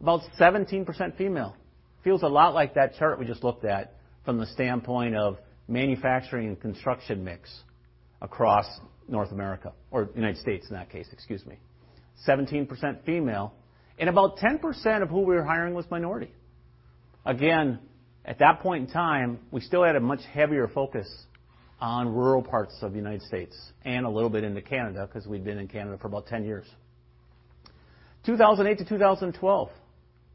about 17% female. Feels a lot like that chart we just looked at from the standpoint of manufacturing and construction mix across North America, or U.S., in that case, excuse me. 17% female, about 10% of who we were hiring was minority. Again, at that point in time, we still had a much heavier focus on rural parts of the United States and a little bit into Canada, because we'd been in Canada for about 10 years. 2008 to 2012,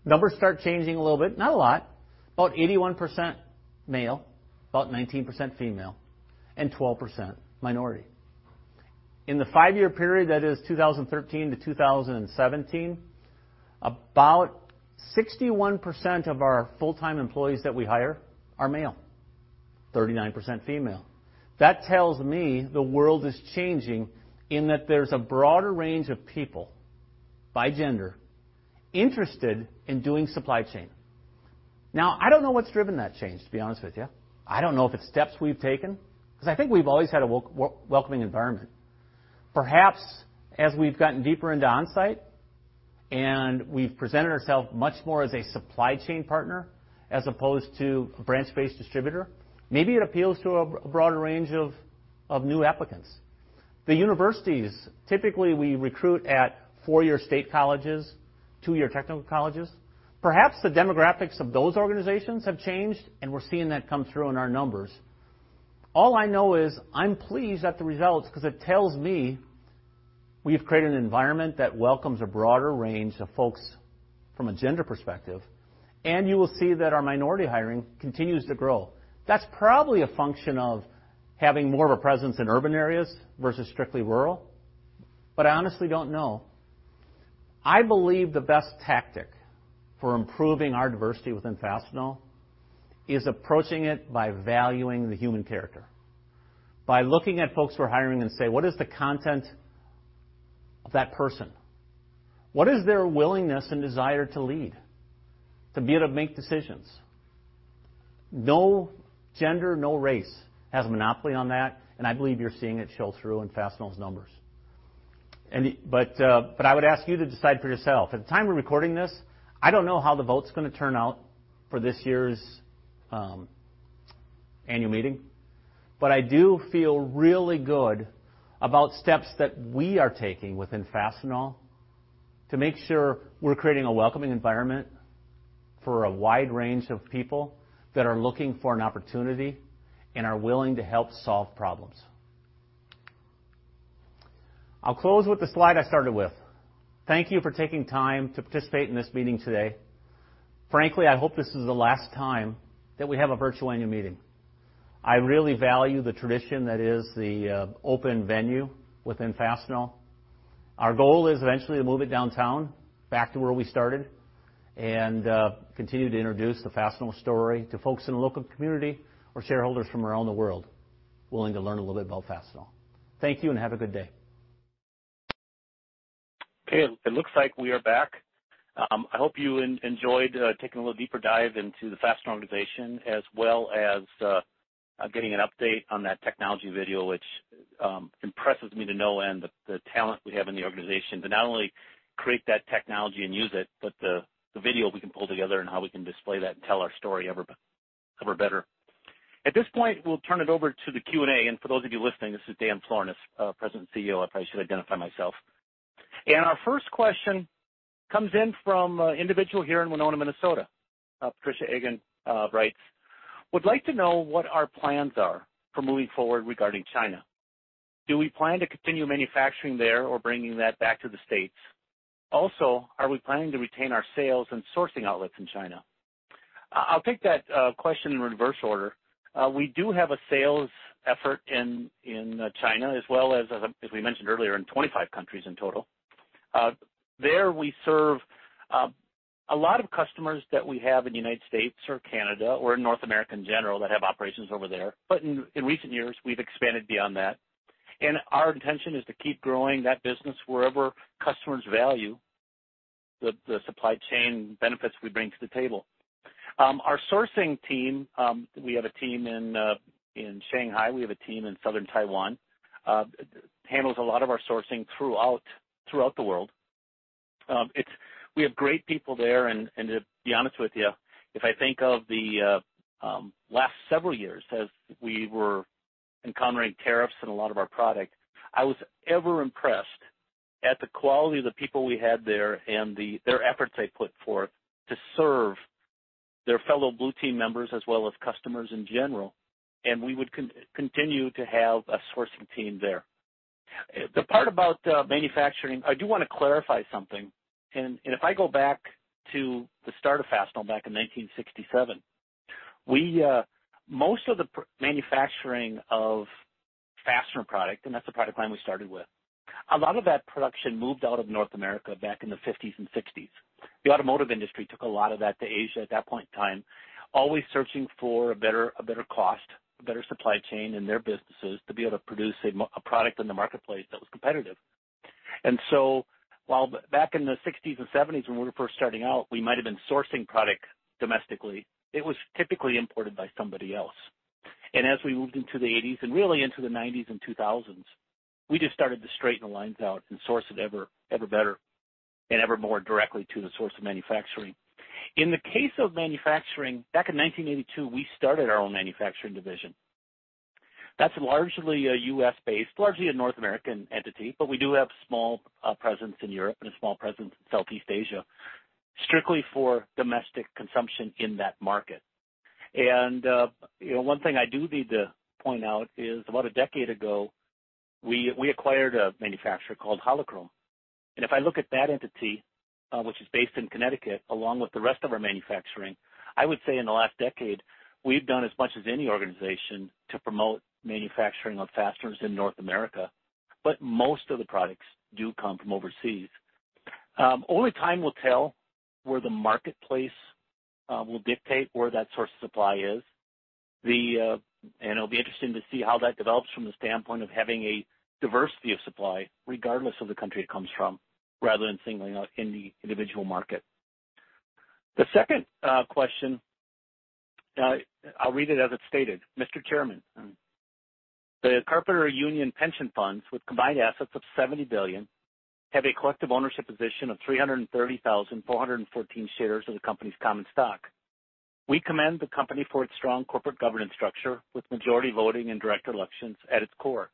numbers start changing a little bit. Not a lot. About 81% male, about 19% female and 12% minority. In the five-year period that is 2013 to 2017, about 61% of our full-time employees that we hire are male, 39% female. That tells me the world is changing, in that there's a broader range of people by gender interested in doing supply chain. Now, I don't know what's driven that change, to be honest with you. I don't know if it's steps we've taken, because I think we've always had a welcoming environment. Perhaps as we've gotten deeper into on-site and we've presented ourselves much more as a supply chain partner as opposed to a branch-based distributor, maybe it appeals to a broader range of new applicants. The universities, typically, we recruit at four-year state colleges, two-year technical colleges. Perhaps the demographics of those organizations have changed, and we're seeing that come through in our numbers. All I know is I'm pleased at the results because it tells me we've created an environment that welcomes a broader range of folks from a gender perspective. You will see that our minority hiring continues to grow. That's probably a function of having more of a presence in urban areas versus strictly rural, but I honestly don't know. I believe the best tactic for improving our diversity within Fastenal is approaching it by valuing the human character. By looking at folks we're hiring and say, "What is the content of that person? What is their willingness and desire to lead, to be able to make decisions?" No gender, no race has monopoly on that, and I believe you're seeing it show through in Fastenal's numbers. I would ask you to decide for yourself. At the time we're recording this, I don't know how the vote's going to turn out for this year's annual meeting. I do feel really good about steps that we are taking within Fastenal to make sure we're creating a welcoming environment for a wide range of people that are looking for an opportunity and are willing to help solve problems. I'll close with the slide I started with. Thank you for taking time to participate in this meeting today. Frankly, I hope this is the last time that we have a virtual annual meeting. I really value the tradition that is the open venue within Fastenal. Our goal is eventually to move it downtown, back to where we started, and continue to introduce the Fastenal story to folks in the local community or shareholders from around the world willing to learn a little bit about Fastenal. Thank you, and have a good day. Okay, it looks like we are back. I hope you enjoyed taking a little deeper dive into the Fastenal organization, as well as getting an update on that technology video, which impresses me to no end, the talent we have in the organization to not only create that technology and use it, but the video we can pull together and how we can display that and tell our story ever better. At this point, we'll turn it over to the Q&A. For those of you listening, this is Dan Florness, President and Chief Executive Officer. I probably should identify myself. Our first question comes in from an individual here in Winona, Minnesota. Patricia Egan writes, "Would like to know what our plans are for moving forward regarding China. Do we plan to continue manufacturing there or bringing that back to the U.S.? Also, are we planning to retain our sales and sourcing outlets in China? I'll take that question in reverse order. We do have a sales effort in China as well as we mentioned earlier, in 25 countries in total. There we serve a lot of customers that we have in the U.S. or Canada or North America in general that have operations over there. In recent years, we've expanded beyond that. Our intention is to keep growing that business wherever customers value the supply chain benefits we bring to the table. Our sourcing team, we have a team in Shanghai, we have a team in Southern Taiwan, handles a lot of our sourcing throughout the world. We have great people there, and to be honest with you, if I think of the last several years as we were encountering tariffs on a lot of our product, I was ever impressed at the quality of the people we had there and their efforts they put forth to serve their fellow Blue Team members as well as customers in general. We would continue to have a sourcing team there. The part about manufacturing, I do want to clarify something. If I go back to the start of Fastenal back in 1967, most of the manufacturing of fastener product, and that's the product line we started with. A lot of that production moved out of North America back in the 1950s and 1960s. The automotive industry took a lot of that to Asia at that point in time, always searching for a better cost, a better supply chain in their businesses to be able to produce a product in the marketplace that was competitive. While back in the 1960s and 1970s, when we were first starting out, we might've been sourcing product domestically. It was typically imported by somebody else. As we moved into the 1980s and really into the 1990s and 2000s, we just started to straighten the lines out and source it ever better and ever more directly to the source of manufacturing. In the case of manufacturing, back in 1982, we started our own manufacturing division. That's largely U.S.-based, largely a North American entity, but we do have small presence in Europe and a small presence in Southeast Asia, strictly for domestic consumption in that market. One thing I do need to point out is about a decade ago, we acquired a manufacturer called Holo-Krome. If I look at that entity, which is based in Connecticut, along with the rest of our manufacturing, I would say in the last decade, we've done as much as any organization to promote manufacturing of fasteners in North America, but most of the products do come from overseas. Only time will tell where the marketplace will dictate where that source of supply is. It'll be interesting to see how that develops from the standpoint of having a diversity of supply, regardless of the country it comes from, rather than singling out any individual market. The second question, I'll read it as it's stated. "Mr. Chairman, the Carpenters Union pension funds, with combined assets of $70 billion, have a collective ownership position of 330,414 shares of the company's common stock. We commend the company for its strong corporate governance structure, with majority voting and direct elections at its core.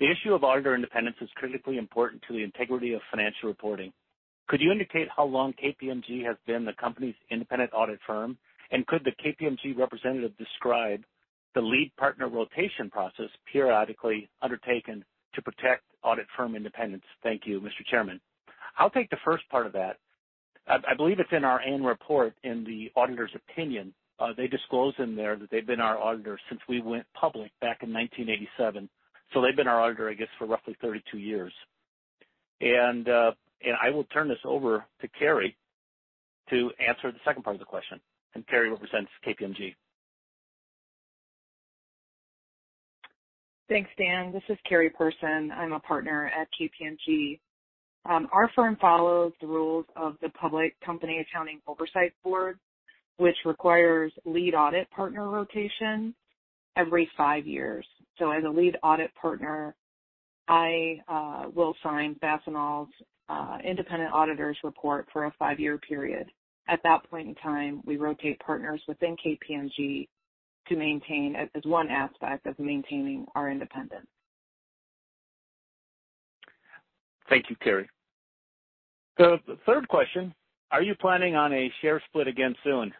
The issue of auditor independence is critically important to the integrity of financial reporting. Could you indicate how long KPMG has been the company's independent audit firm? Could the KPMG representative describe the lead partner rotation process periodically undertaken to protect audit firm independence? Thank you, Mr. Chairman. I'll take the first part of that. I believe it's in our annual report in the auditor's opinion. They disclose in there that they've been our auditor since we went public back in 1987. They've been our auditor, I guess, for roughly 32 years. I will turn this over to Carrie to answer the second part of the question, and Carrie represents KPMG. Thanks, Dan. This is Carrie Person. I'm a partner at KPMG. Our firm follows the rules of the Public Company Accounting Oversight Board, which requires lead audit partner rotation every five years. As a lead audit partner, I will sign Fastenal's independent auditor's report for a five year period. At that point in time, we rotate partners within KPMG to maintain, as one aspect of maintaining our independence. Thank you, Carrie. The third question: Are you planning on a share split again soon?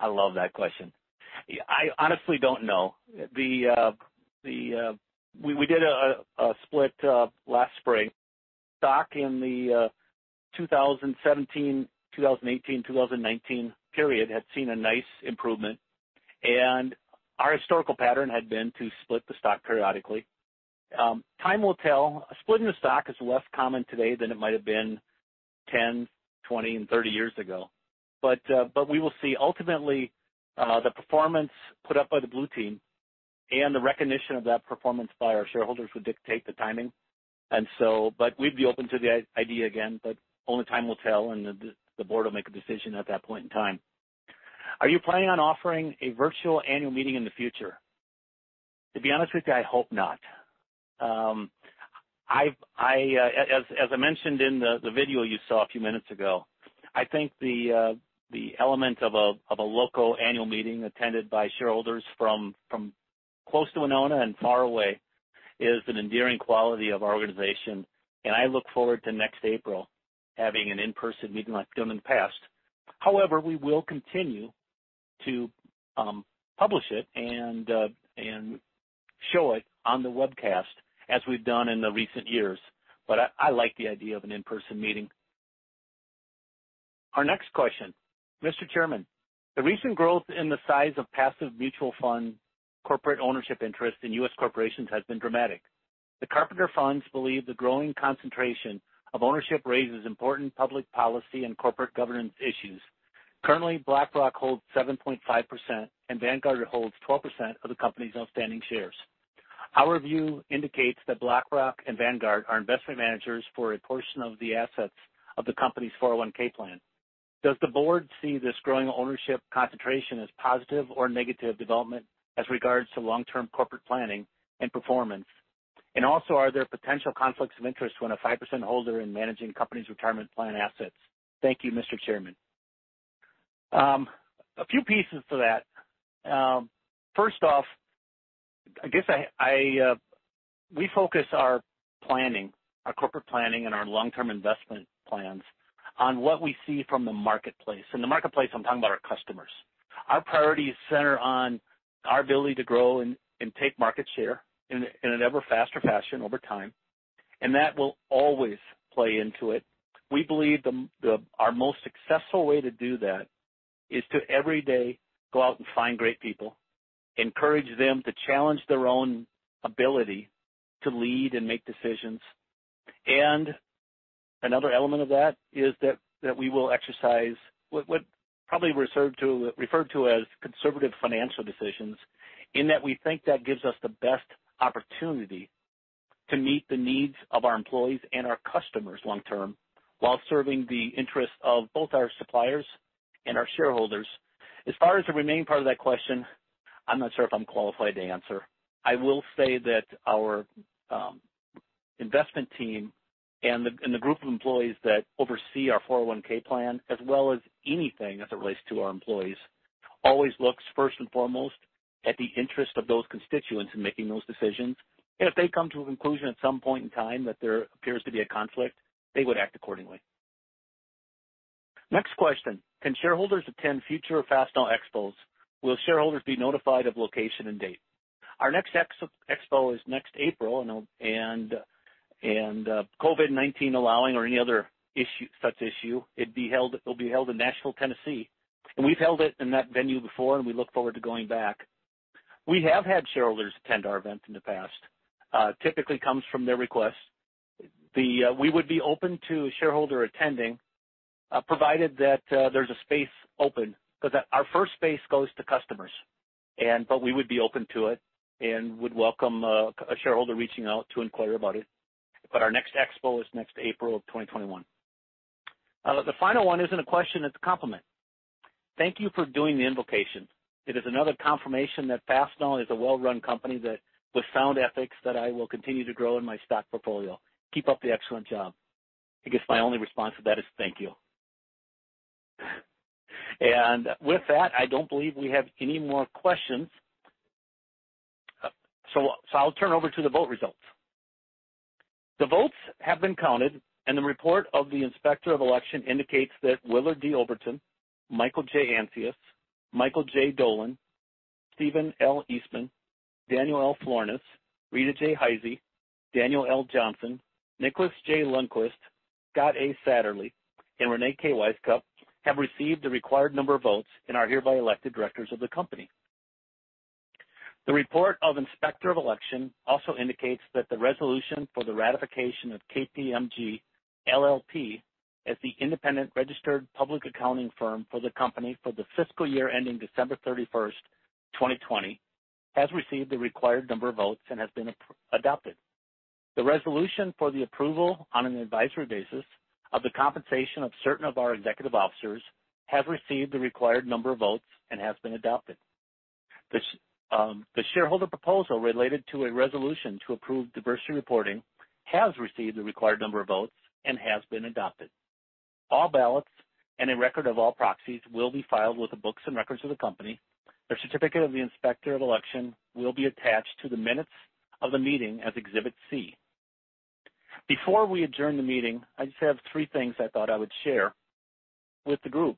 I love that question. I honestly don't know. We did a split last spring. Stock in the 2017, 2018, 2019 period had seen a nice improvement, and our historical pattern had been to split the stock periodically. Time will tell. Splitting the stock is less common today than it might've been 10, 20, and 30 years ago. We will see. Ultimately, the performance put up by the Blue Team and the recognition of that performance by our shareholders would dictate the timing. We'd be open to the idea again, but only time will tell, and the board will make a decision at that point in time. Are you planning on offering a virtual annual meeting in the future? To be honest with you, I hope not. As I mentioned in the video you saw a few minutes ago, I think the element of a local annual meeting attended by shareholders from close to Winona and far away is an endearing quality of our organization, and I look forward to next April having an in-person meeting like we've done in the past. We will continue to publish it and show it on the webcast as we've done in the recent years. I like the idea of an in-person meeting. Our next question. "Mr. Chairman, the recent growth in the size of passive mutual fund corporate ownership interest in U.S. corporations has been dramatic. The Carpenters funds believe the growing concentration of ownership raises important public policy and corporate governance issues. Currently, BlackRock holds 7.5%, and Vanguard holds 12% of the company's outstanding shares. Our view indicates that BlackRock and Vanguard are investment managers for a portion of the assets of the company's 401(k) plan. Does the board see this growing ownership concentration as positive or negative development as regards to long-term corporate planning and performance? Also, are there potential conflicts of interest when a 5% holder in managing company's retirement plan assets? Thank you, Mr. Chairman. A few pieces to that. First off, we focus our corporate planning and our long-term investment plans on what we see from the marketplace. In the marketplace, I'm talking about our customers. Our priorities center on our ability to grow and take market share in an ever-faster fashion over time, and that will always play into it. We believe our most successful way to do that is to, every day, go out and find great people, encourage them to challenge their own ability to lead and make decisions. Another element of that is that we will exercise what probably referred to as conservative financial decisions, in that we think that gives us the best opportunity to meet the needs of our employees and our customers long-term, while serving the interests of both our suppliers and our shareholders. As far as the remaining part of that question, I'm not sure if I'm qualified to answer. I will say that our investment team and the group of employees that oversee our 401(k) plan, as well as anything as it relates to our employees, always looks first and foremost at the interest of those constituents in making those decisions. If they come to a conclusion at some point in time that there appears to be a conflict, they would act accordingly. Next question. "Can shareholders attend future Fastenal expos? Will shareholders be notified of location and date?" Our next Expo is next April, COVID-19 allowing, or any other such issue, it'll be held in Nashville, Tennessee. We've held it in that venue before, and we look forward to going back. We have had shareholders attend our event in the past. Typically comes from their request. We would be open to a shareholder attending, provided that there's a space open. Because our first space goes to customers. We would be open to it and would welcome a shareholder reaching out to inquire about it. Our next expo is next April of 2021. The final one isn't a question, it's a compliment. Thank you for doing the invocation. It is another confirmation that Fastenal is a well-run company with sound ethics that I will continue to grow in my stock portfolio. Keep up the excellent job. I guess my only response to that is thank you. With that, I don't believe we have any more questions. I'll turn over to the vote results. The votes have been counted, and the report of the Inspector of Election indicates that Willard D. Oberton, Michael J. Ancius, Michael J. Dolan, Stephen L. Eastman, Daniel L. Florness, Rita J. Heise, Daniel L. Johnson, Nicholas J. Lundquist, Scott A. Satterlee, and Reyne K. Wisecup have received the required number of votes and are hereby elected directors of the company. The report of Inspector of Election also indicates that the resolution for the ratification of KPMG LLP as the independent registered public accounting firm for the company for the fiscal year ending December 31st, 2020, has received the required number of votes and has been adopted. The resolution for the approval on an advisory basis of the compensation of certain of our executive officers has received the required number of votes and has been adopted. The shareholder proposal related to a resolution to approve diversity reporting has received the required number of votes and has been adopted. All ballots and a record of all proxies will be filed with the books and records of the company. The certificate of the Inspector of Election will be attached to the minutes of the meeting as Exhibit C. Before we adjourn the meeting, I just have three things I thought I would share with the group.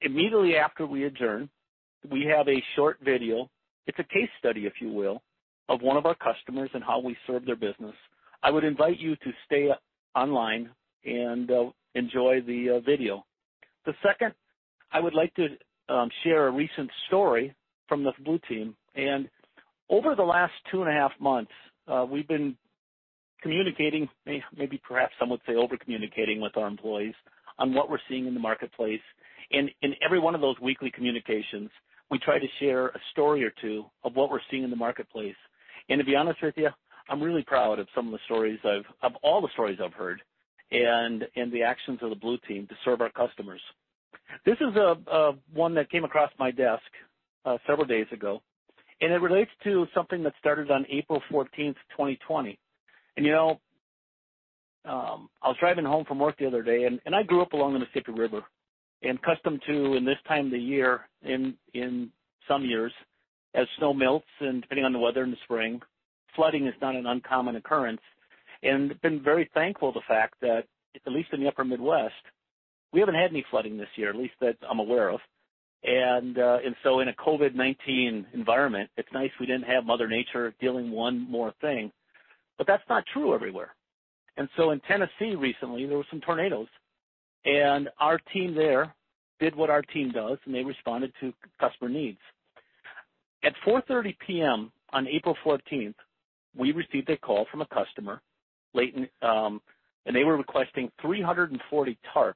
Immediately after we adjourn, we have a short video. It's a case study, if you will, of one of our customers and how we serve their business. I would invite you to stay online and enjoy the video. I would like to share a recent story from the Blue Team. Over the last two and a half months, we've been communicating, maybe perhaps some would say over-communicating, with our employees on what we're seeing in the marketplace. In every one of those weekly communications, we try to share a story or two of what we're seeing in the marketplace. To be honest with you, I'm really proud of all the stories I've heard and the actions of the Blue Team to serve our customers. This is one that came across my desk several days ago, and it relates to something that started on April 14th, 2020. I was driving home from work the other day, and I grew up along the Mississippi River and accustomed to, in this time of the year in some years, as snow melts and depending on the weather in the spring, flooding is not an uncommon occurrence. I've been very thankful of the fact that, at least in the Upper Midwest, we haven't had any flooding this year, at least that I'm aware of. In a COVID-19 environment, it's nice we didn't have Mother Nature dealing one more thing. But that's not true everywhere. In Tennessee recently, there were some tornadoes, and our team there did what our team does, and they responded to customer needs. At 4:30 P.M. on April 14th, we received a call from a customer, and they were requesting 340 tarps,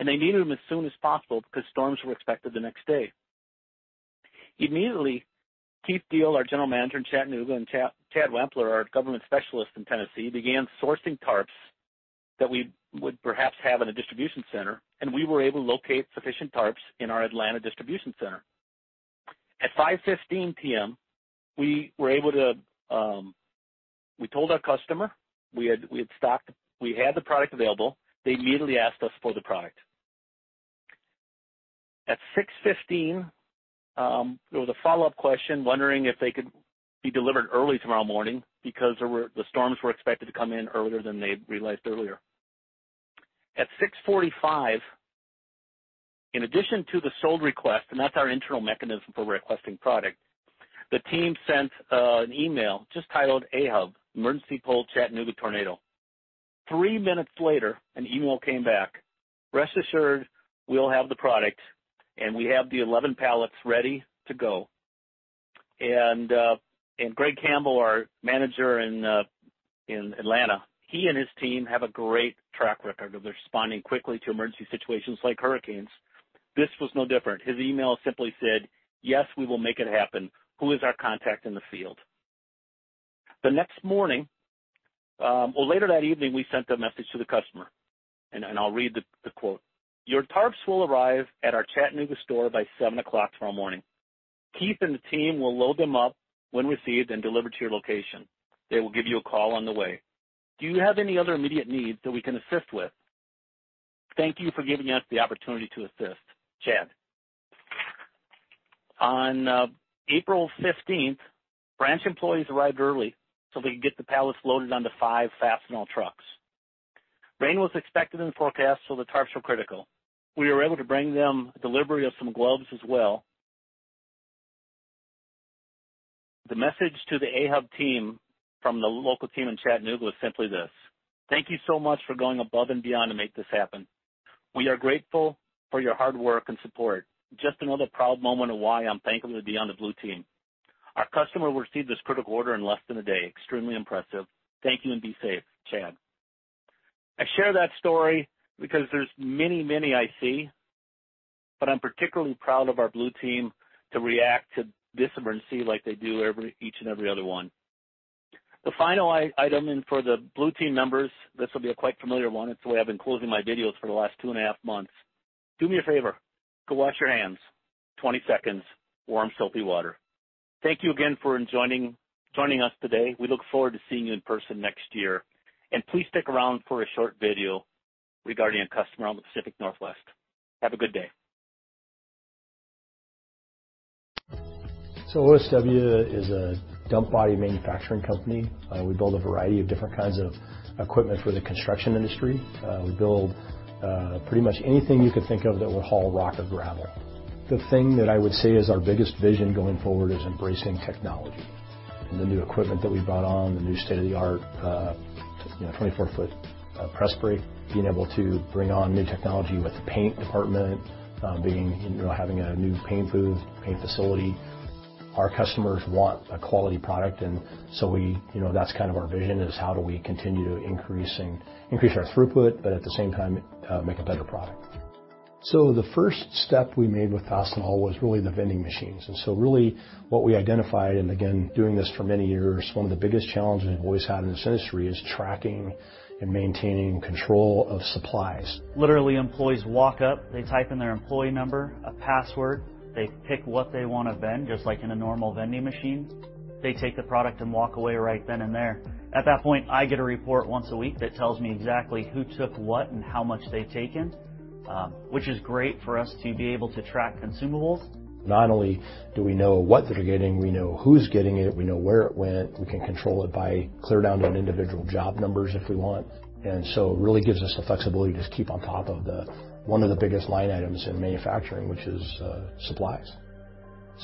and they needed them as soon as possible because storms were expected the next day. Immediately, Keith Deal, our General Manager in Chattanooga, and Chad Wampler, our Government Specialist in Tennessee, began sourcing tarps that we would perhaps have in a distribution center, and we were able to locate sufficient tarps in our Atlanta distribution center. At 5:15 P.M., we told our customer we had the product available. They immediately asked us for the product. At 6:15 P.M., there was a follow-up question wondering if they could be delivered early tomorrow morning because the storms were expected to come in earlier than they'd realized earlier. At 6:45, in addition to the sold request, and that's our internal mechanism for requesting product, the team sent an email just titled, "AHUB Emergency Pull Chattanooga Tornado." Three minutes later, an email came back. "Rest assured we will have the product, and we have the 11 pallets ready to go." Greg Campbell, our Manager in Atlanta, he and his team have a great track record of responding quickly to emergency situations like hurricanes. This was no different. His email simply said, "Yes, we will make it happen. Who is our contact in the field?" The next morning, or later that evening, we sent the message to the customer. I'll read the quote. "Your tarps will arrive at our Chattanooga store by seven o'clock tomorrow morning. Keith and the team will load them up when received and delivered to your location. They will give you a call on the way. Do you have any other immediate needs that we can assist with? Thank you for giving us the opportunity to assist. Chad." On April 15th, branch employees arrived early so they could get the pallets loaded onto five Fastenal trucks. Rain was expected in the forecast, so the tarps were critical. We were able to bring them a delivery of some gloves as well. The message to the AHUB team from the local team in Chattanooga was simply this: "Thank you so much for going above and beyond to make this happen. We are grateful for your hard work and support. Just another proud moment of why I'm thankful to be on the Blue Team. Our customer will receive this critical order in less than a day. Extremely impressive. Thank you, and be safe. Chad. I share that story because there's many I see, but I'm particularly proud of our Blue Team to react to this emergency like they do each and every other one. The final item, for the Blue Team members, this will be a quite familiar one. It's the way I've been closing my videos for the last two and a half months. Do me a favor. Go wash your hands, 20 seconds, warm, soapy water. Thank you again for joining us today. We look forward to seeing you in person next year, please stick around for a short video regarding a customer out in the Pacific Northwest. Have a good day. OSW is a dump body manufacturing company. We build a variety of different kinds of equipment for the construction industry. We build pretty much anything you could think of that would haul rock or gravel. The thing that I would say is our biggest vision going forward is embracing technology, and the new equipment that we brought on, the new state-of-the-art 24-foot press brake, being able to bring on new technology with the paint department, having a new paint booth, paint facility. Our customers want a quality product, and so that's kind of our vision is how do we continue to increase our throughput, but at the same time, make a better product. The first step we made with Fastenal was really the vending machines. Really what we identified, and again, doing this for many years, one of the biggest challenges we've always had in this industry is tracking and maintaining control of supplies. Literally, employees walk up. They type in their employee number, a password. They pick what they want to vend, just like in a normal vending machine. They take the product and walk away right then and there. At that point, I get a report once a week that tells me exactly who took what and how much they've taken, which is great for us to be able to track consumables. Not only do we know what they're getting, we know who's getting it. We know where it went. We can control it clear down to individual job numbers if we want. It really gives us the flexibility to keep on top of one of the biggest line items in manufacturing, which is supplies.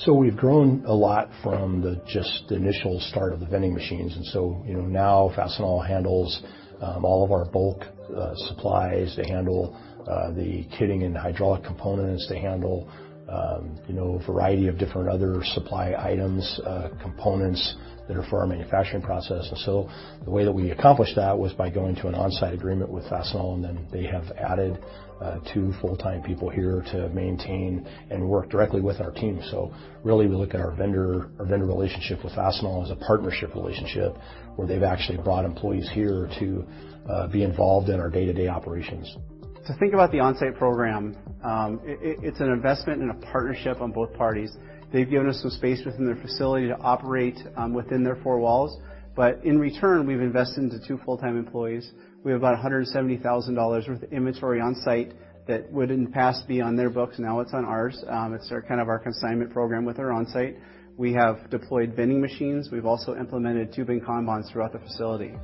We've grown a lot from just the initial start of the vending machines. Now Fastenal handles all of our bulk supplies. They handle the kitting and hydraulic components. They handle a variety of different other supply items, components that are for our manufacturing process. The way that we accomplished that was by going to an on-site agreement with Fastenal, then they have added two full-time people here to maintain and work directly with our team. Really, we look at our vendor relationship with Fastenal as a partnership relationship where they've actually brought employees here to be involved in our day-to-day operations. To think about the on-site program, it's an investment and a partnership on both parties. They've given us some space within their facility to operate within their four walls, but in return, we've invested into two full-time employees. We have about $170,000 worth of inventory on site that would, in the past, be on their books. Now it's on ours. It's kind of our consignment program with our on-site. We have deployed vending machines. We've also implemented tubing kanbans throughout the facility.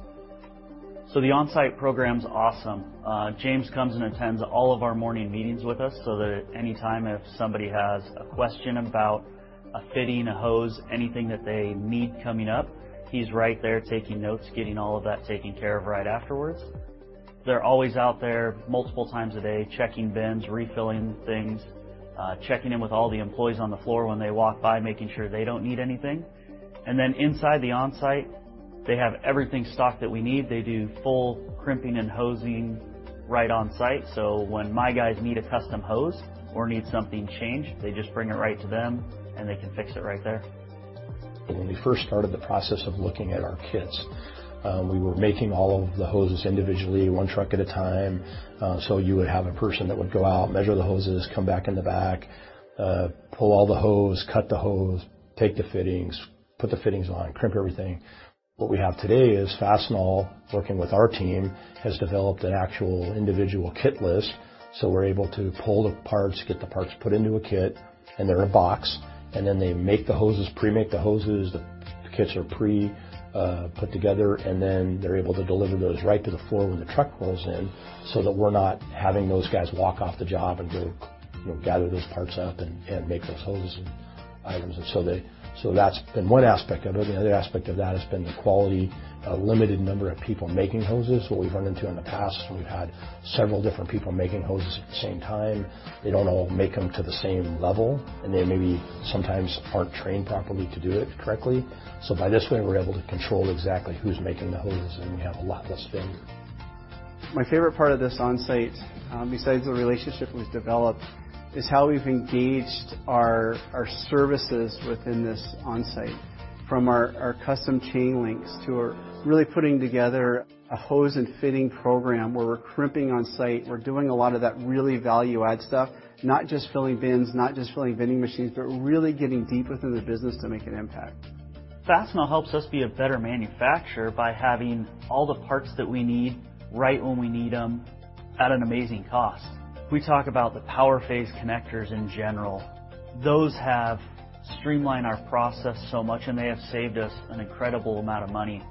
The onsite program's awesome. James comes and attends all of our morning meetings with us so that any time if somebody has a question about a fitting, a hose, anything that they need coming up, he's right there taking notes, getting all of that taken care of right afterwards. They're always out there multiple times a day, checking bins, refilling things, checking in with all the employees on the floor when they walk by, making sure they don't need anything. Inside the onsite, they have everything stocked that we need. They do full crimping and hosing right on site. When my guys need a custom hose or need something changed, they just bring it right to them, and they can fix it right there. When we first started the process of looking at our kits, we were making all of the hoses individually, one truck at a time. You would have a person that would go out, measure the hoses, come back in the back, pull all the hose, cut the hose, take the fittings, put the fittings on, crimp everything. What we have today is Fastenal working with our team has developed an actual individual kit list, so we're able to pull the parts, get the parts put into a kit, and they're in a box. They make the hoses, pre-make the hoses. The kits are pre-put together, and then they're able to deliver those right to the floor when the truck rolls in so that we're not having those guys walk off the job and go gather those parts up and make those hose items. That's been one aspect of it. The other aspect of that has been the quality. A limited number of people making hoses. What we've run into in the past is we've had several different people making hoses at the same time. They don't all make them to the same level, and they maybe sometimes aren't trained properly to do it correctly. By this way, we're able to control exactly who's making the hoses, and we have a lot less failure. My favorite part of this onsite, besides the relationship we've developed, is how we've engaged our services within this onsite. From our custom chain links to our really putting together a hose and fitting program where we're crimping on site. We're doing a lot of that really value add stuff. Not just filling bins, not just filling vending machines, but really getting deep within the business to make an impact. Fastenal helps us be a better manufacturer by having all the parts that we need, right when we need them at an amazing cost. We talk about the Power Phase connectors in general. Those have streamlined our process so much, and they have saved us an incredible amount of money.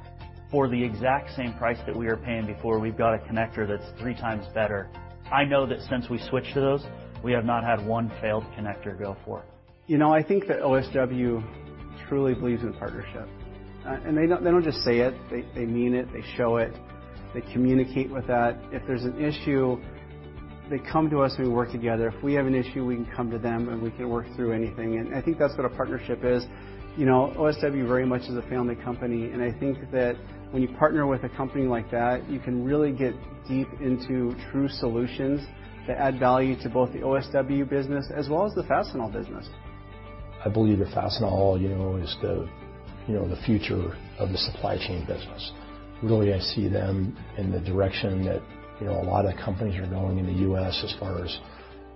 For the exact same price that we were paying before, we've got a connector that's 3x better. I know that since we switched to those, we have not had one failed connector go forth. I think that OSW truly believes in partnership. They don't just say it, they mean it, they show it. They communicate with that. If there's an issue, they come to us and we work together. If we have an issue, we can come to them, and we can work through anything. I think that's what a partnership is. OSW very much is a family company, and I think that when you partner with a company like that, you can really get deep into true solutions that add value to both the OSW business as well as the Fastenal business. I believe that Fastenal is the future of the supply chain business. Really, I see them in the direction that a lot of companies are going in the U.S. as far as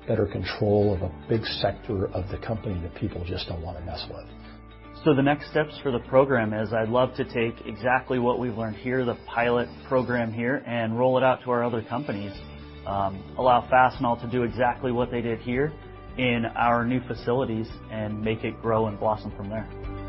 better control of a big sector of the company that people just don't want to mess with. The next steps for the program is I'd love to take exactly what we've learned here, the pilot program here, and roll it out to our other companies. Allow Fastenal to do exactly what they did here in our new facilities and make it grow and blossom from there.